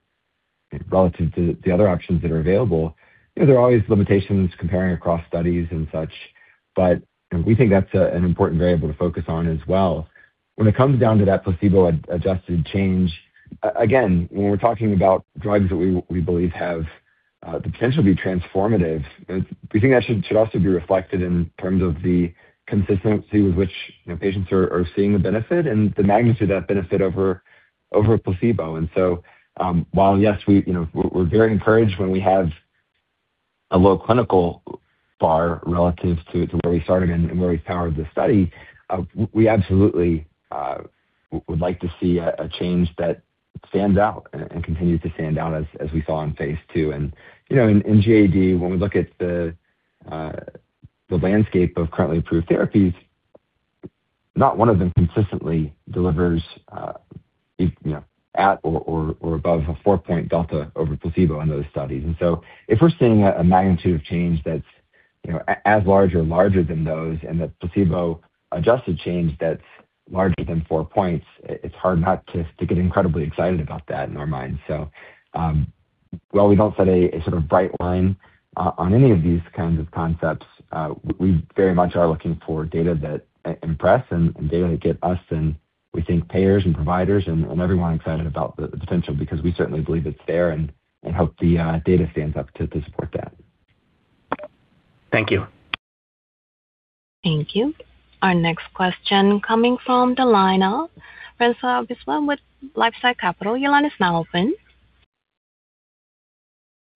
relative to the other options that are available, you know, there are always limitations comparing across studies and such, but we think that's an important variable to focus on as well. When it comes down to that placebo-adjusted change, again, when we're talking about drugs that we believe have the potential to be transformative, we think that should also be reflected in terms of the consistency with which, you know, patients are seeing the benefit and the magnitude of that benefit over a placebo. While, yes, we, you know, we're very encouraged when we have a low clinical bar relative to where we started and where we powered the study, we absolutely would like to see a change that stands out and continues to stand out as we saw in phase II. You know, in GAD, when we look at the landscape of currently approved therapies, not one of them consistently delivers, you know, at or above a 4-point delta over placebo in those studies. If we're seeing a magnitude of change that's, you know, as large or larger than those, and the placebo-adjusted change that's larger than four points, it's hard not to get incredibly excited about that in our minds. While we don't set a sort of bright line on any of these kinds of concepts, we very much are looking for data that impress and data that get us, and we think payers and providers and everyone excited about the potential, because we certainly believe it's there and hope the data stands up to support that. Thank you. Thank you. Our next question coming from the line of Francois Brisebois with LifeSci Capital. Your line is now open.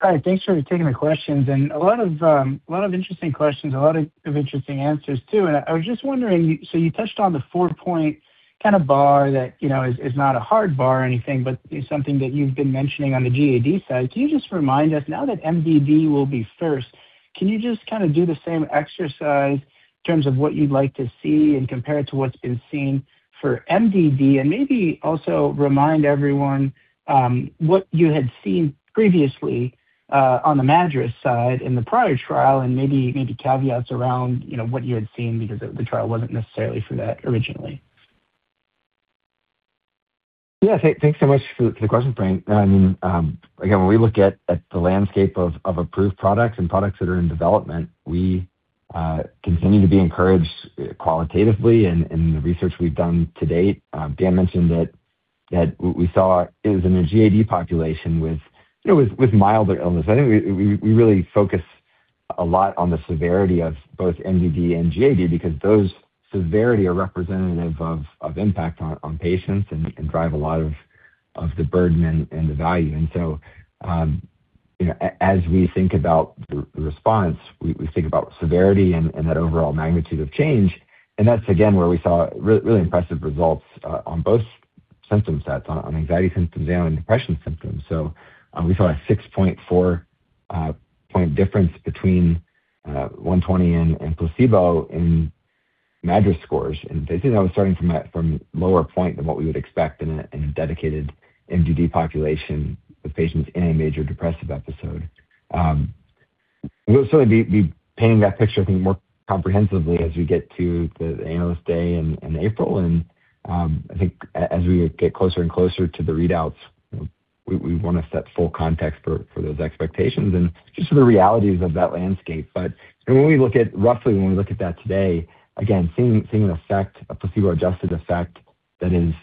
Hi, thanks for taking the questions. A lot of interesting questions, a lot of interesting answers, too. I was just wondering, you touched on the four-point kind of bar that, you know, is not a hard bar or anything, but it's something that you've been mentioning on the GAD side. Can you just remind us, now that MDD will be first, can you just kind of do the same exercise in terms of what you'd like to see and compare it to what's been seen for MDD? Maybe also remind everyone what you had seen previously on the MADRS side in the prior trial, and maybe caveats around, you know, what you had seen because the trial wasn't necessarily for that originally. Yeah. Thanks so much for the question, Franc. Again, when we look at the landscape of approved products and products that are in development, we continue to be encouraged qualitatively in the research we've done to date. Dan mentioned that we saw is in the GAD population with, you know, with milder illness. I think we really focus a lot on the severity of both MDD and GAD because those severity are representative of impact on patients and can drive a lot of the burden and the value. You know, as we think about the response, we think about severity and that overall magnitude of change, and that's again, where we saw really impressive results on both symptom sets, on anxiety symptoms and on depression symptoms. We saw a 6.4 point difference between 120 and placebo in MADRS scores. I think that was starting from a lower point than what we would expect in a dedicated MDD population with patients in a major depressive episode. We'll certainly be painting that picture, I think, more comprehensively as we get to the Analyst Day in April. I think as we get closer and closer to the readouts, we wanna set full context for those expectations and just for the realities of that landscape. When we look at that today, again, seeing an effect, a placebo-adjusted effect that is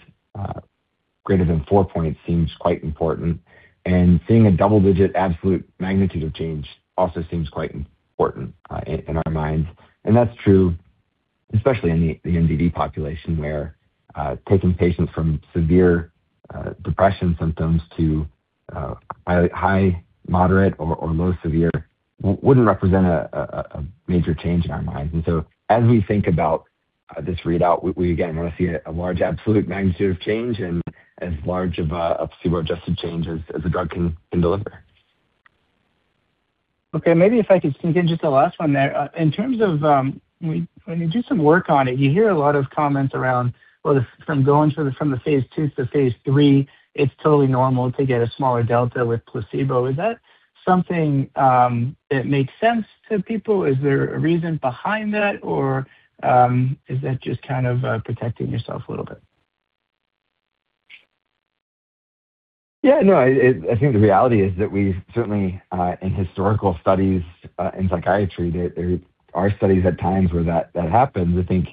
greater than four points seems quite important, and seeing a double-digit absolute magnitude of change also seems quite important in our minds. That's true, especially in the MDD population, where taking patients from severe depression symptoms to high, moderate, or more severe wouldn't represent a major change in our minds. As we think about this readout, we again, wanna see a large absolute magnitude of change and as large of a placebo-adjusted change as the drug can deliver. Okay. Maybe if I could sneak in just the last one there. In terms of, when you do some work on it, you hear a lot of comments around, well, from going from the phase II to phase III, it's totally normal to get a smaller delta with placebo. Is that something that makes sense to people? Is there a reason behind that, or, is that just kind of protecting yourself a little bit? Yeah, no. I think the reality is that we've certainly, in historical studies, in psychiatry, there are studies at times where that happens. I think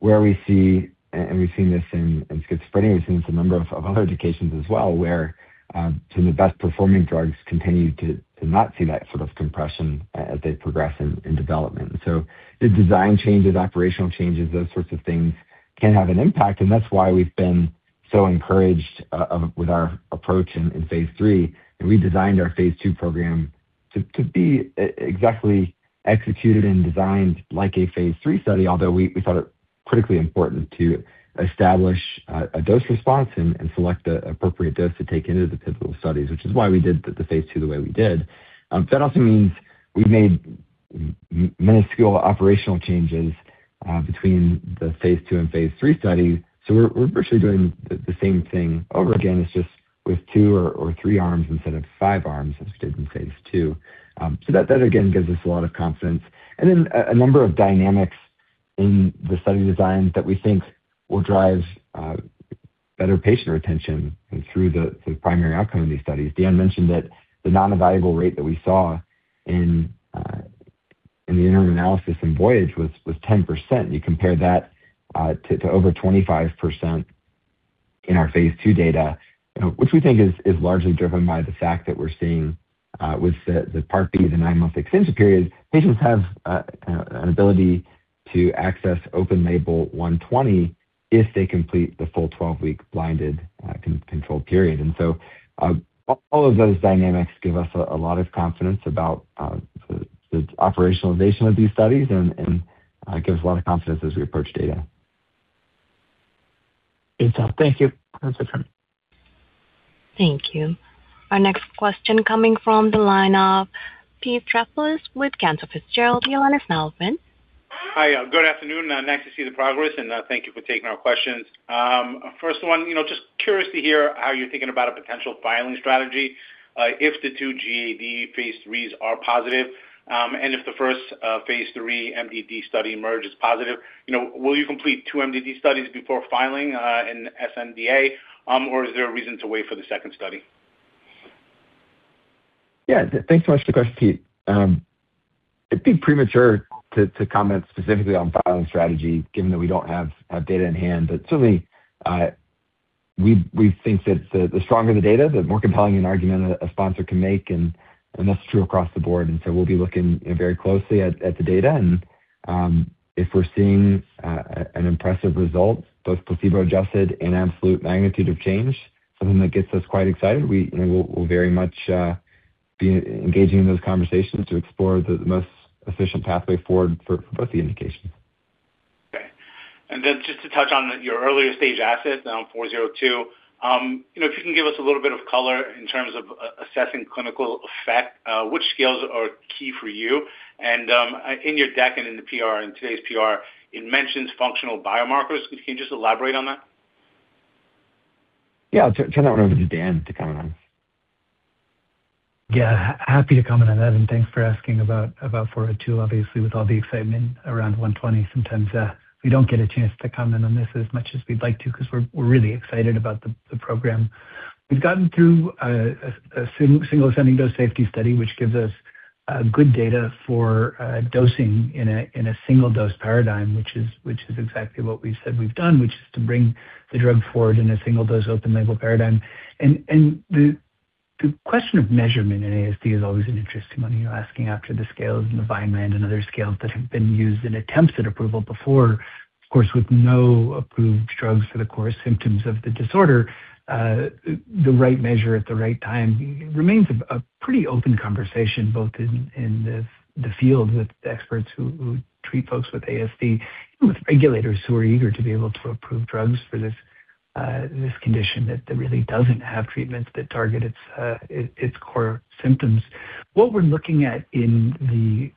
where we see, and we've seen this in schizophrenia, we've seen this in a number of other occasions as well, where some of the best-performing drugs continue to not see that sort of compression as they progress in development. The design changes, operational changes, those sorts of things can have an impact, and that's why we've been so encouraged, with our approach in phase III. We designed our phase II program to be exactly executed and designed like a phase III study, although we thought it critically important to establish a dose response and select the appropriate dose to take into the pivotal studies, which is why we did the phase II the way we did. That also means we made minuscule operational changes between the phase II and phase III studies. So we're virtually doing the same thing over again, it's just with two or three arms instead of five arms, as we did in phase II. So that again gives us a lot of confidence. Then a number of dynamics in the study design that we think will drive better patient retention and through the primary outcome of these studies. Dan mentioned that the non-evaluable rate that we saw in the interim analysis in Voyage was 10%. You compare that to over 25% in our phase II data, you know, which we think is largely driven by the fact that we're seeing with the part B, the nine-month extension period, patients have a ability to access open label 120 if they complete the full 12-week blinded control period. All of those dynamics give us a lot of confidence about the operationalization of these studies and gives a lot of confidence as we approach data. Great stuff. Thank you. Thank you. Our next question coming from the line of Pete Stavropoulos with Cantor Fitzgerald. Your line is now open. Hi. Good afternoon. Nice to see the progress. Thank you for taking our questions. First one, you know, just curious to hear how you're thinking about a potential filing strategy, if the two GAD phase IIIs are positive, and if the first, phase III MDD study Emerge as positive. You know, will you complete two MDD studies before filing, an sNDA, or is there a reason to wait for the second study? Yeah. Thanks so much for the question, Pete. It'd be premature to comment specifically on filing strategy given that we don't have data in hand. Certainly, we think that the stronger the data, the more compelling an argument a sponsor can make and that's true across the board. We'll be looking, you know, very closely at the data and if we're seeing an impressive result, both placebo-adjusted and absolute magnitude of change, something that gets us quite excited, we, you know, we'll very much be engaging in those conversations to explore the most efficient pathway forward for both the indications. Okay. Then just to touch on your earlier stage asset, 402. You know, if you can give us a little bit of color in terms of assessing clinical effect, which scales are key for you? In your deck and in the PR, in today's PR, it mentions functional biomarkers. Can you just elaborate on that? Yeah. I'll turn that one over to Dan to comment on. Yeah. Happy to comment on that, and thanks for asking about 402. Obviously, with all the excitement around 120 sometimes, we don't get a chance to comment on this as much as we'd like to 'cause we're really excited about the program. We've gotten through a single ascending dose safety study, which gives us good data for dosing in a single dose paradigm, which is exactly what we've said we've done, which is to bring the drug forward in a single dose open label paradigm. The question of measurement in ASD is always an interesting one. You're asking after the scales and the Vineland and other scales that have been used in attempts at approval before, of course, with no approved drugs for the core symptoms of the disorder. The right measure at the right time remains a pretty open conversation both in the field with experts who treat folks with ASD, with regulators who are eager to be able to approve drugs for this condition that really doesn't have treatments that target its core symptoms. What we're looking at in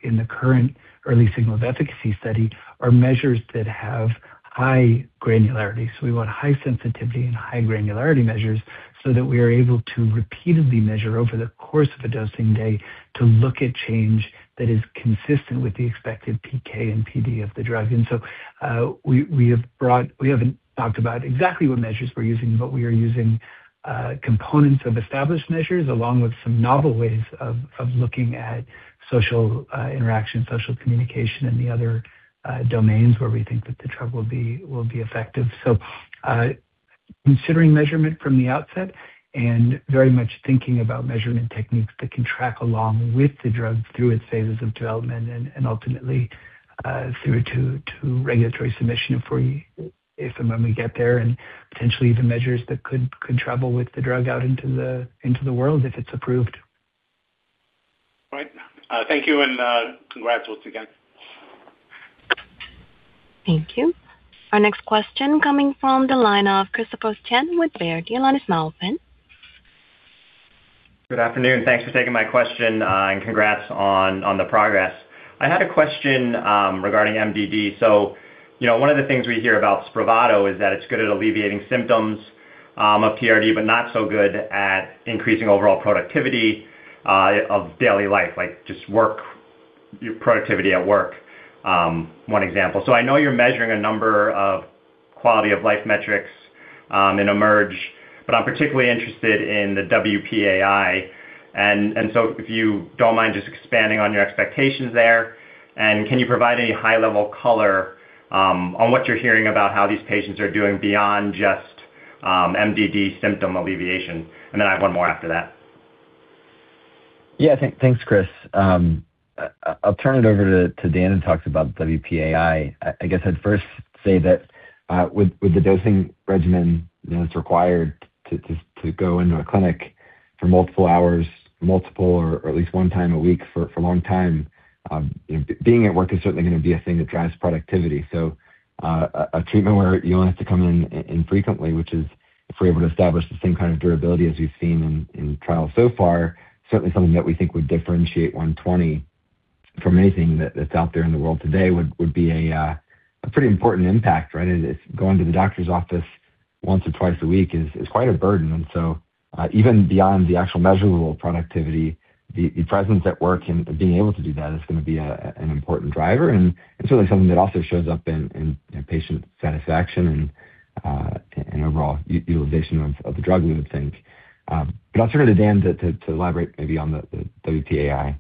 the current early signal of efficacy study are measures that have high granularity. We want high sensitivity and high granularity measures so that we are able to repeatedly measure over the course of a dosing day to look at change that is consistent with the expected PK and PD of the drug. We haven't talked about exactly what measures we're using, but we are using components of established measures along with some novel ways of looking at social interaction, social communication, and the other domains where we think that the drug will be effective. Considering measurement from the outset and very much thinking about measurement techniques that can track along with the drug through its phases of development and ultimately through to regulatory submission if and when we get there, and potentially even measures that could travel with the drug out into the world if it's approved. Right. Thank you, and congrats once again. Thank you. Our next question coming from the line of Christopher Chen with Baird. Your line is now open. Good afternoon. Thanks for taking my question. And congrats on the progress. I had a question regarding MDD. You know, one of the things we hear about SPRAVATO is that it's good at alleviating symptoms of PRD, but not so good at increasing overall productivity of daily life, like just work, your productivity at work, one example. I know you're measuring a number of quality of life metrics in Emerge, but I'm particularly interested in the WPAI. If you don't mind just expanding on your expectations there, and can you provide any high-level color on what you're hearing about how these patients are doing beyond just MDD symptom alleviation? I have one more after that. Yeah. Thanks, Chris. I'll turn it over to Dan to talk about WPAI. I guess I'd first say that with the dosing regimen that's required to go into a clinic for multiple hours, multiple or at least one time a week for a long time, you know, being at work is certainly gonna be a thing that drives productivity. A treatment where you only have to come infrequently, which is if we're able to establish the same kind of durability as we've seen in trials so far, certainly something that we think would differentiate DT120 from anything that's out there in the world today would be a pretty important impact, right? It's going to the doctor's office once or twice a week is quite a burden. Even beyond the actual measurable productivity, the presence at work and being able to do that is gonna be an important driver. It's really something that also shows up in patient satisfaction and overall utilization of the drug, we would think. I'll turn it to Dan to elaborate maybe on the WPAI.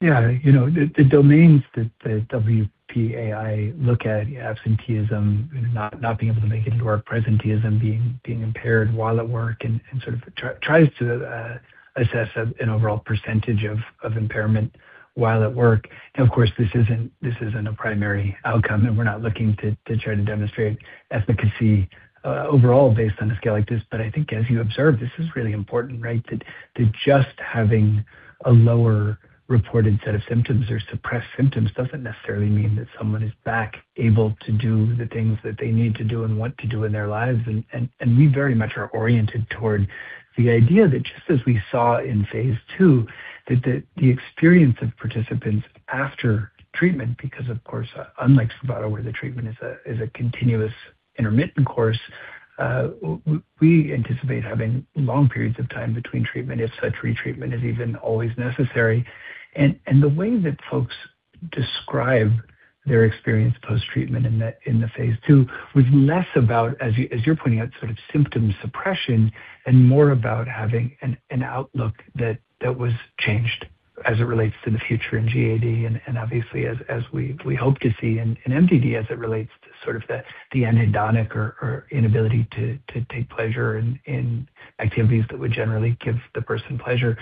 Yeah. You know, the domains that the WPAI look at, absenteeism, not being able to make it into work, presenteeism, being impaired while at work, and sort of tries to assess an overall percentage of impairment while at work. Of course, this isn't a primary outcome, and we're not looking to try to demonstrate efficacy overall based on a scale like this. I think as you observed, this is really important, right? That just having a lower reported set of symptoms or suppressed symptoms doesn't necessarily mean that someone is back able to do the things that they need to do and want to do in their lives. We very much are oriented toward the idea that just as we saw in phase II, that the experience of participants after treatment, because of course, unlike SPRAVATO, where the treatment is a continuous intermittent course, we anticipate having long periods of time between treatment if such retreatment is even always necessary. The way that folks describe their experience post-treatment in the phase II was less about, as you're pointing out, sort of symptom suppression and more about having an outlook that was changed as it relates to the future in GAD. Obviously as we hope to see in MDD as it relates to sort of the anhedonic or inability to take pleasure in activities that would generally give the person pleasure.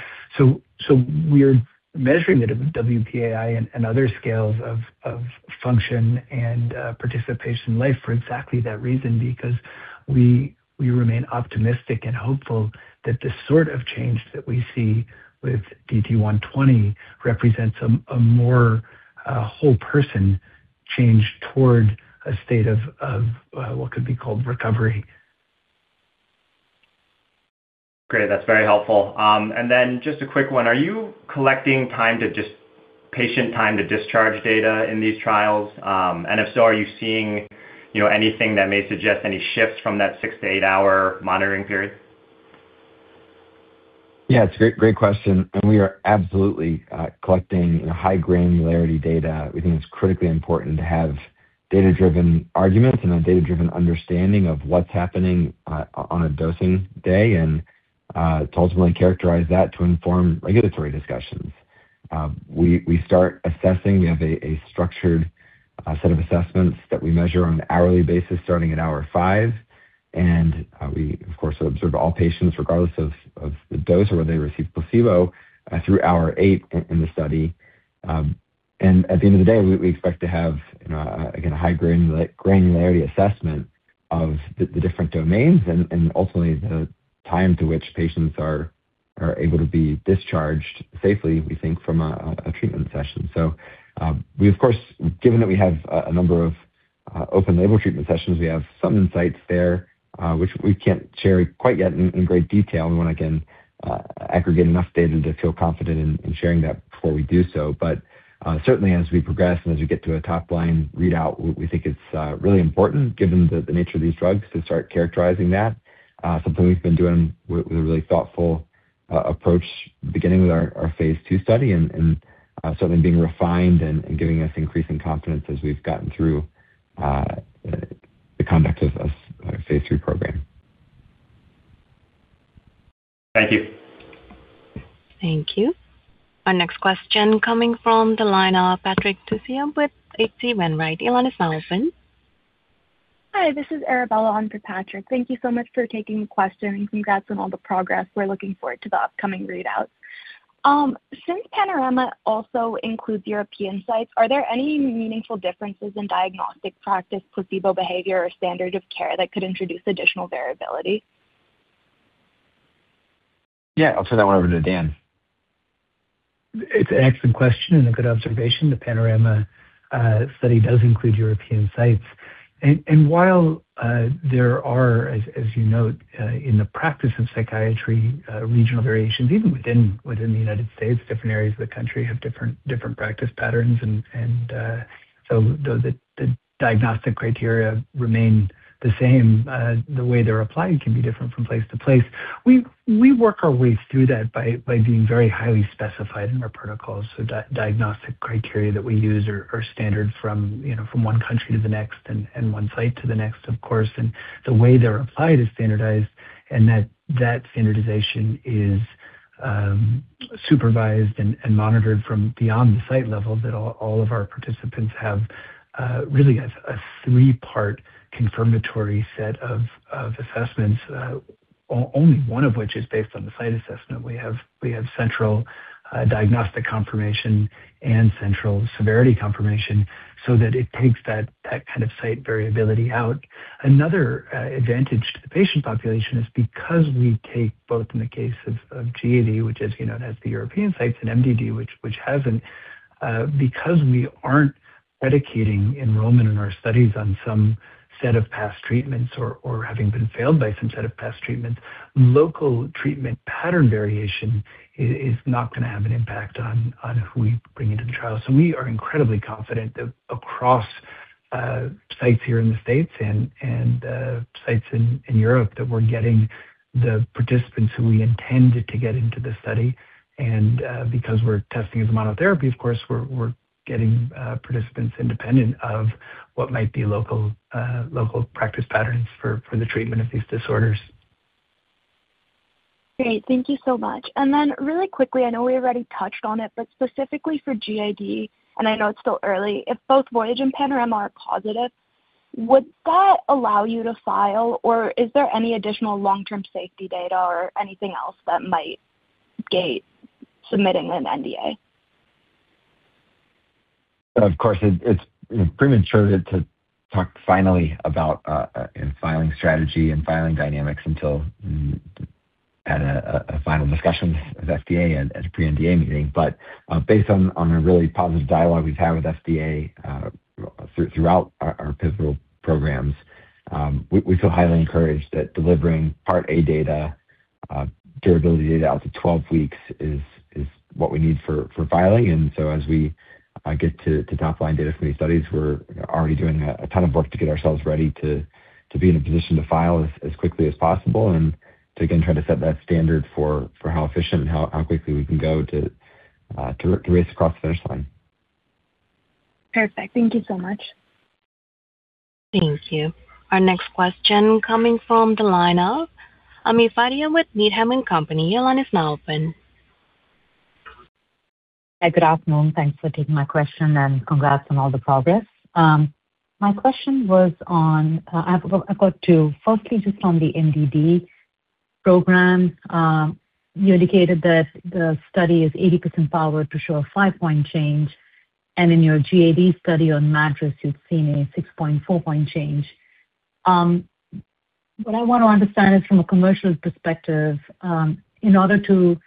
We're measuring the WPAI and other scales of function and participation in life for exactly that reason, because we remain optimistic and hopeful that the sort of change that we see with DT120 represents a more whole person change toward a state of what could be called recovery. Great. That's very helpful. Just a quick one. Are you collecting time to patient time to discharge data in these trials? If so, are you seeing, you know, anything that may suggest any shifts from that six to eight hour monitoring period? Yeah, it's a great question. We are absolutely collecting high granularity data. We think it's critically important to have data-driven arguments and a data-driven understanding of what's happening on a dosing day and to ultimately characterize that to inform regulatory discussions. We start assessing, we have a structured set of assessments that we measure on an hourly basis starting at hour five. We of course observe all patients regardless of the dose or whether they receive placebo through hour eight in the study. At the end of the day, we expect to have, you know, again, a high granularity assessment of the different domains and ultimately the time to which patients are able to be discharged safely, we think, from a treatment session. We of course, given that we have a number of open label treatment sessions, we have some insights there, which we can't share quite yet in great detail. We want, again, aggregate enough data to feel confident in sharing that before we do so. Certainly as we progress and as we get to a top line readout, we think it's really important, given the nature of these drugs to start characterizing that, something we've been doing with a really thoughtful approach beginning with our phase II study and something being refined and giving us increasing confidence as we've gotten through the conduct of our phase III program. Thank you. Thank you. Our next question coming from the line of Patrick Trucchio with H.C. Wainwright. Your line is now open. Hi, this is Arabella on for Patrick. Thank you so much for taking the question and congrats on all the progress. We're looking forward to the upcoming readouts. Since Panorama also includes European sites, are there any meaningful differences in diagnostic practice, placebo behavior or standard of care that could introduce additional variability? Yeah, I'll turn that one over to Dan. It's an excellent question and a good observation. The Panorama study does include European sites. While there are, as you note, in the practice of psychiatry, regional variations, even within the United States, different areas of the country have different practice patterns. Though the diagnostic criteria remain the same, the way they're applied can be different from place to place. We work our way through that by being very highly specified in our protocols. Diagnostic criteria that we use are standard from, you know, from one country to the next and one site to the next, of course. The way they're applied is standardized, and that standardization is supervised and monitored from beyond the site level, that all of our participants have really a three-part confirmatory set of assessments, only one of which is based on the site assessment. We have central diagnostic confirmation and central severity confirmation so that it takes that kind of site variability out. Another advantage to the patient population is because we take both in the case of GAD, which as you know, has the European sites and MDD which hasn't because we aren't dedicating enrollment in our studies on some set of past treatments or having been failed by some set of past treatments, local treatment pattern variation is not going to have an impact on who we bring into the trial. We are incredibly confident that across sites here in the States and sites in Europe, that we're getting the participants who we intended to get into the study. Because we're testing as a monotherapy, of course, we're getting participants independent of what might be local practice patterns for the treatment of these disorders. Great. Thank you so much. Really quickly, I know we already touched on it, but specifically for GAD, and I know it's still early, if both Voyage and Panorama are positive, would that allow you to file, or is there any additional long-term safety data or anything else that might gate submitting an NDA? Of course, it's premature to talk finally about filing strategy and filing dynamics until at a final discussion with FDA at a pre-NDA meeting. Based on a really positive dialogue we've had with FDA throughout our pivotal programs, we feel highly encouraged that delivering part A data, durability data out to 12 weeks is what we need for filing. As we get to top line data from these studies, we're already doing a ton of work to get ourselves ready to be in a position to file as quickly as possible and to again, try to set that standard for how efficient and how quickly we can go to race across the finish line. Perfect. Thank you so much. Thank you. Our next question coming from the line of Ami Fadia with Needham & Company. Your line is now open. Hi. Good afternoon. Thanks for taking my question. Congrats on all the progress. My question was on. I've got two. Firstly, just on the MDD program. You indicated that the study is 80% powered to show a five-point change. In your GAD study on MADRS, you've seen a 6.4-point change. What I want to understand is from a commercial perspective, in order to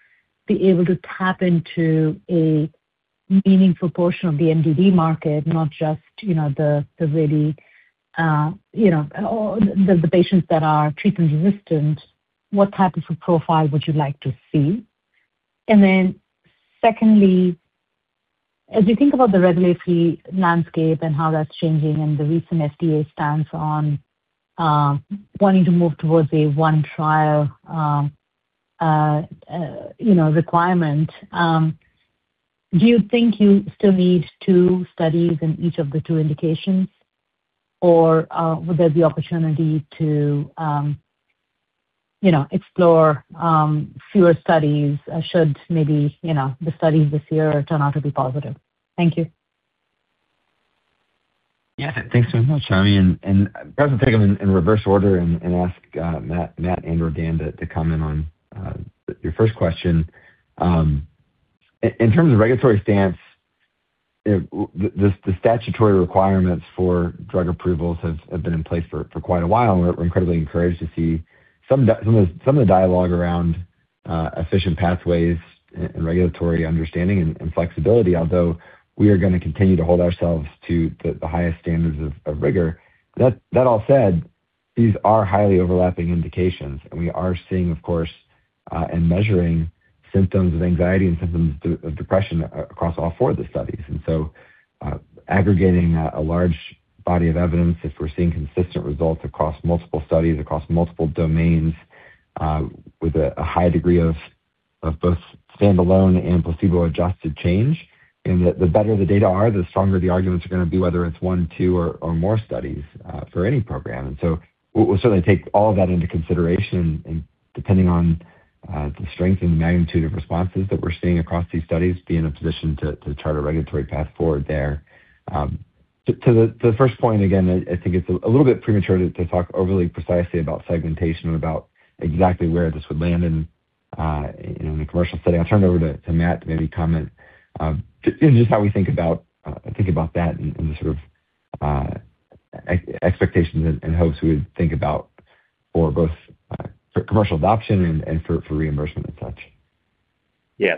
be able to tap into a meaningful portion of the MDD market, not just, you know, the very, you know, the patients that are treatment resistant, what type of profile would you like to see? Secondly, as you think about the regulatory landscape and how that's changing and the recent FDA stance on wanting to move towards a one trial requirement, do you think you still need two studies in each of the two indications, or would there be opportunity to explore fewer studies should maybe the studies this year turn out to be positive? Thank you. Yeah, thanks so much, Ami. Perhaps I'll take them in reverse order and ask Matt and or Dan to comment on your first question. In terms of regulatory stance, the statutory requirements for drug approvals have been in place for quite a while. We're incredibly encouraged to see some of the dialogue around efficient pathways and regulatory understanding and flexibility, although we are going to continue to hold ourselves to the highest standards of rigor. That all said, these are highly overlapping indications, and we are seeing, of course, and measuring symptoms of anxiety and symptoms of depression across all four of the studies. Aggregating a large body of evidence, if we're seeing consistent results across multiple studies, across multiple domains, with a high degree of both standalone and placebo-adjusted change, and the better the data are, the stronger the arguments are going to be, whether it's one, two, or more studies, for any program. We'll certainly take all of that into consideration and, depending on the strength and the magnitude of responses that we're seeing across these studies, be in a position to chart a regulatory path forward there. To the first point, again, I think it's a little bit premature to talk overly precisely about segmentation and about exactly where this would land in, you know, in a commercial setting. I'll turn it over to Matt to maybe comment, just how we think about that and the sort of expectations and hopes we would think about for both for commercial adoption and for reimbursement and such.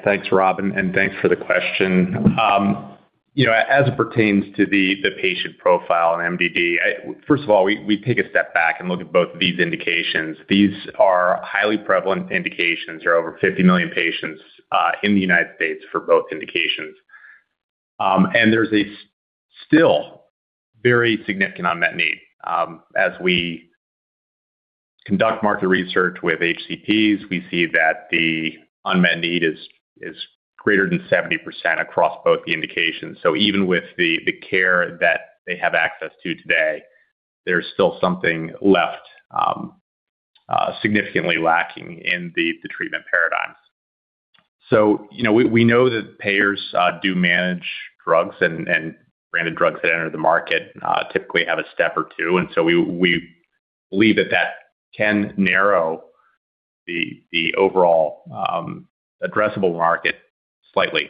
Thanks, Rob, and thanks for the question. You know, as it pertains to the patient profile in MDD, first of all, we take a step back and look at both of these indications. These are highly prevalent indications. There are over 50 million patients in the United States for both indications. There's a still very significant unmet need. As we conduct market research with HCPs, we see that the unmet need is greater than 70% across both the indications. Even with the care that they have access to today, there's still something left significantly lacking in the treatment paradigms. You know, we know that payers do manage drugs, and branded drugs that enter the market typically have a step or two, we believe that that can narrow the overall addressable market slightly.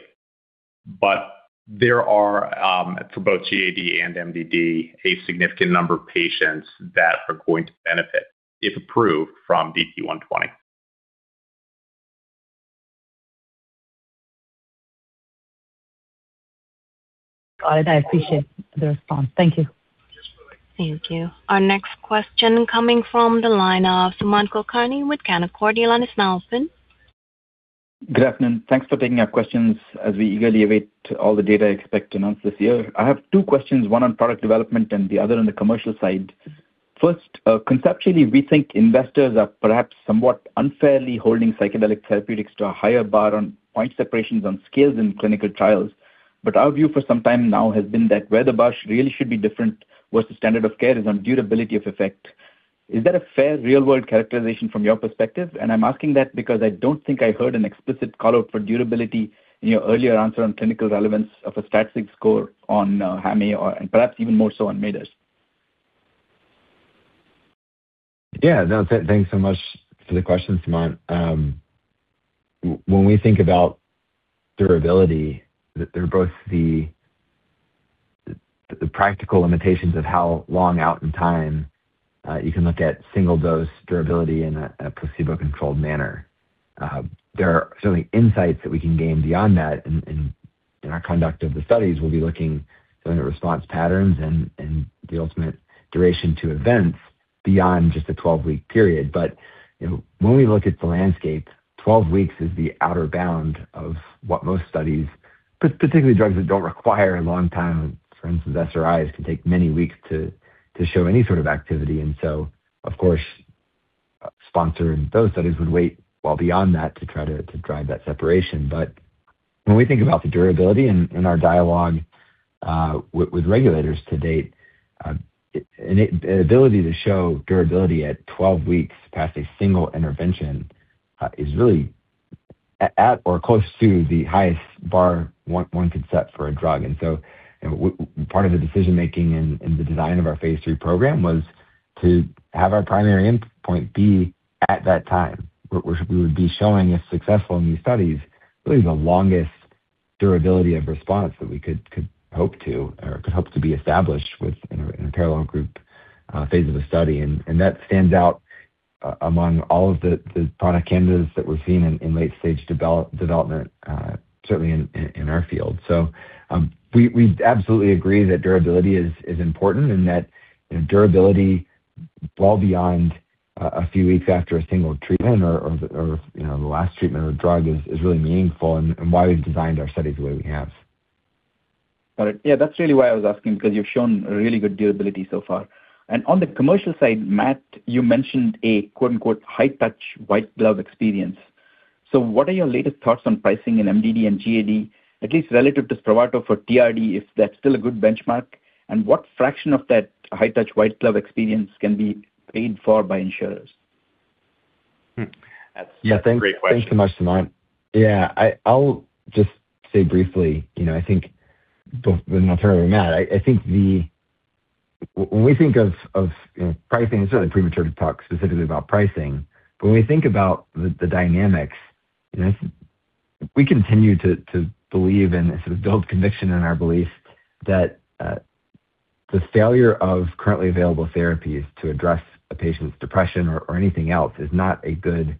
There are for both GAD and MDD, a significant number of patients that are going to benefit if approved from DT120. Got it. I appreciate the response. Thank you. Thank you. Our next question coming from the line of Sumant Kulkarni with Canaccord. The line is now open. Good afternoon. Thanks for taking our questions as we eagerly await all the data I expect to announce this year. I have two questions, one on product development and the other on the commercial side. First, conceptually, we think investors are perhaps somewhat unfairly holding psychedelic therapeutics to a higher bar on point separations on scales in clinical trials. Our view for some time now has been that where the bar really should be different was the standard of care is on durability of effect. Is that a fair real-world characterization from your perspective? I'm asking that because I don't think I heard an explicit call-out for durability in your earlier answer on clinical relevance of a statistic score on HAM-A and perhaps even more so on MADRS. Yeah. No. Thanks so much for the question, Sumant. when we think about durability, there are both the practical limitations of how long out in time, you can look at single dose durability in a placebo-controlled manner. There are certainly insights that we can gain beyond that in our conduct of the studies. We'll be looking for response patterns and the ultimate duration to events beyond just a 12-week period. you know, when we look at the landscape, 12 weeks is the outer bound of what most studies, particularly drugs that don't require a long time. For instance, SRIs can take many weeks to show any sort of activity. So, of course, sponsor in those studies would wait well beyond that to drive that separation. When we think about the durability in our dialogue with regulators to date, an ability to show durability at 12 weeks past a single intervention is really at or close to the highest bar one could set for a drug. part of the decision-making in the design of our phase III program was to have our primary endpoint B at that time, which we would be showing if successful in these studies, really the longest durability of response that we could hope to or could hope to be established with in a parallel group phase of the study. That stands out among all of the product candidates that we're seeing in late stage development, certainly in our field. We absolutely agree that durability is important and that durability fall beyond a few weeks after a single treatment or, you know, the last treatment or drug is really meaningful and why we've designed our studies the way we have. Got it. Yeah, that's really why I was asking, because you've shown really good durability so far. On the commercial side, Matt, you mentioned a, quote-unquote, "high touch white glove experience." What are your latest thoughts on pricing in MDD and GAD, at least relative to SPRAVATO for TRD, if that's still a good benchmark? What fraction of that high touch white glove experience can be paid for by insurers? That's a great question. Yeah. Thanks so much, Sumant. Yeah. I'll just say briefly, you know, and I'll turn it over to Matt. I think the when we think of, you know, pricing, it's really premature to talk specifically about pricing. When we think about the dynamics, you know, we continue to believe in this sort of build conviction in our belief that the failure of currently available therapies to address a patient's depression or anything else is not a good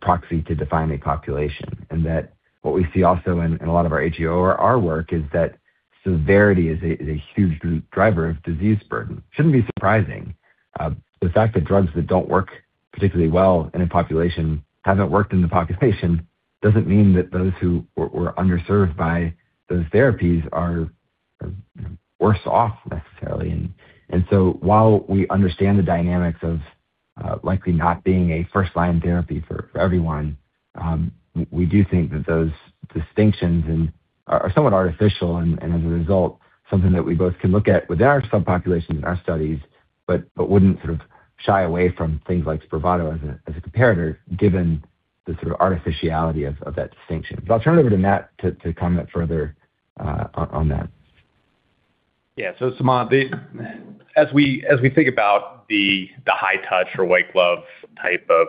proxy to define a population. That what we see also in a lot of our HEOR our work is that severity is a huge driver of disease burden. Shouldn't be surprising. The fact that drugs that don't work particularly well in a population haven't worked in the population doesn't mean that those who were underserved by those therapies are worse off necessarily. While we understand the dynamics of likely not being a first line therapy for everyone, we do think that those distinctions and are somewhat artificial and as a result, something that we both can look at within our subpopulations in our studies, but wouldn't sort of shy away from things like SPRAVATO as a comparator given the sort of artificiality of that distinction. I'll turn it over to Matt to comment further on that. Sumant, as we think about the high touch or white glove type of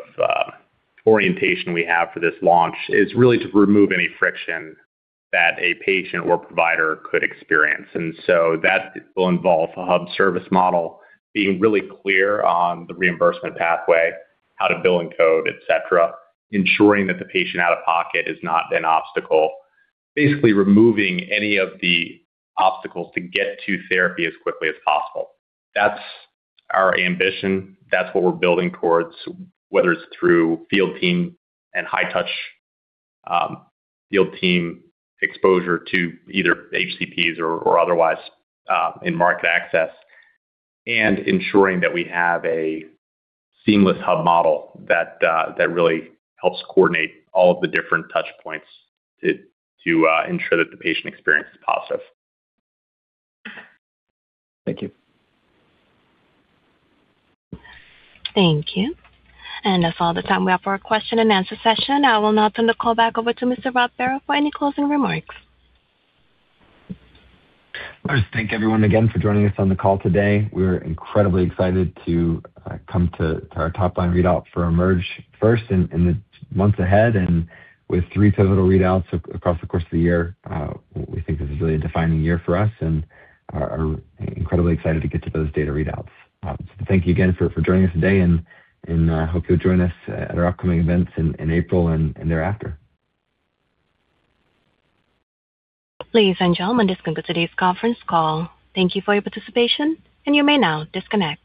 orientation we have for this launch is really to remove any friction that a patient or provider could experience. That will involve a hub service model being really clear on the reimbursement pathway, how to bill and code, et cetera, ensuring that the patient out of pocket is not an obstacle. Basically removing any of the obstacles to get to therapy as quickly as possible. That's our ambition. That's what we're building towards, whether it's through field team and high touch field team exposure to either HCPs or otherwise in market access, and ensuring that we have a seamless hub model that really helps coordinate all of the different touch points to ensure that the patient experience is positive. Thank you. Thank you. That's all the time we have for our question-and-answer session. I will now turn the call back over to Mr. Rob Barrow for any closing remarks. I just thank everyone again for joining us on the call today. We're incredibly excited to come to our top line readout for Emerge first in the months ahead. With three total readouts across the course of the year, we think this is really a defining year for us and are incredibly excited to get to those data readouts. Thank you again for joining us today and hope you'll join us at our upcoming events in April and thereafter. Ladies and gentlemen, this concludes today's conference call. Thank you for your participation, and you may now disconnect.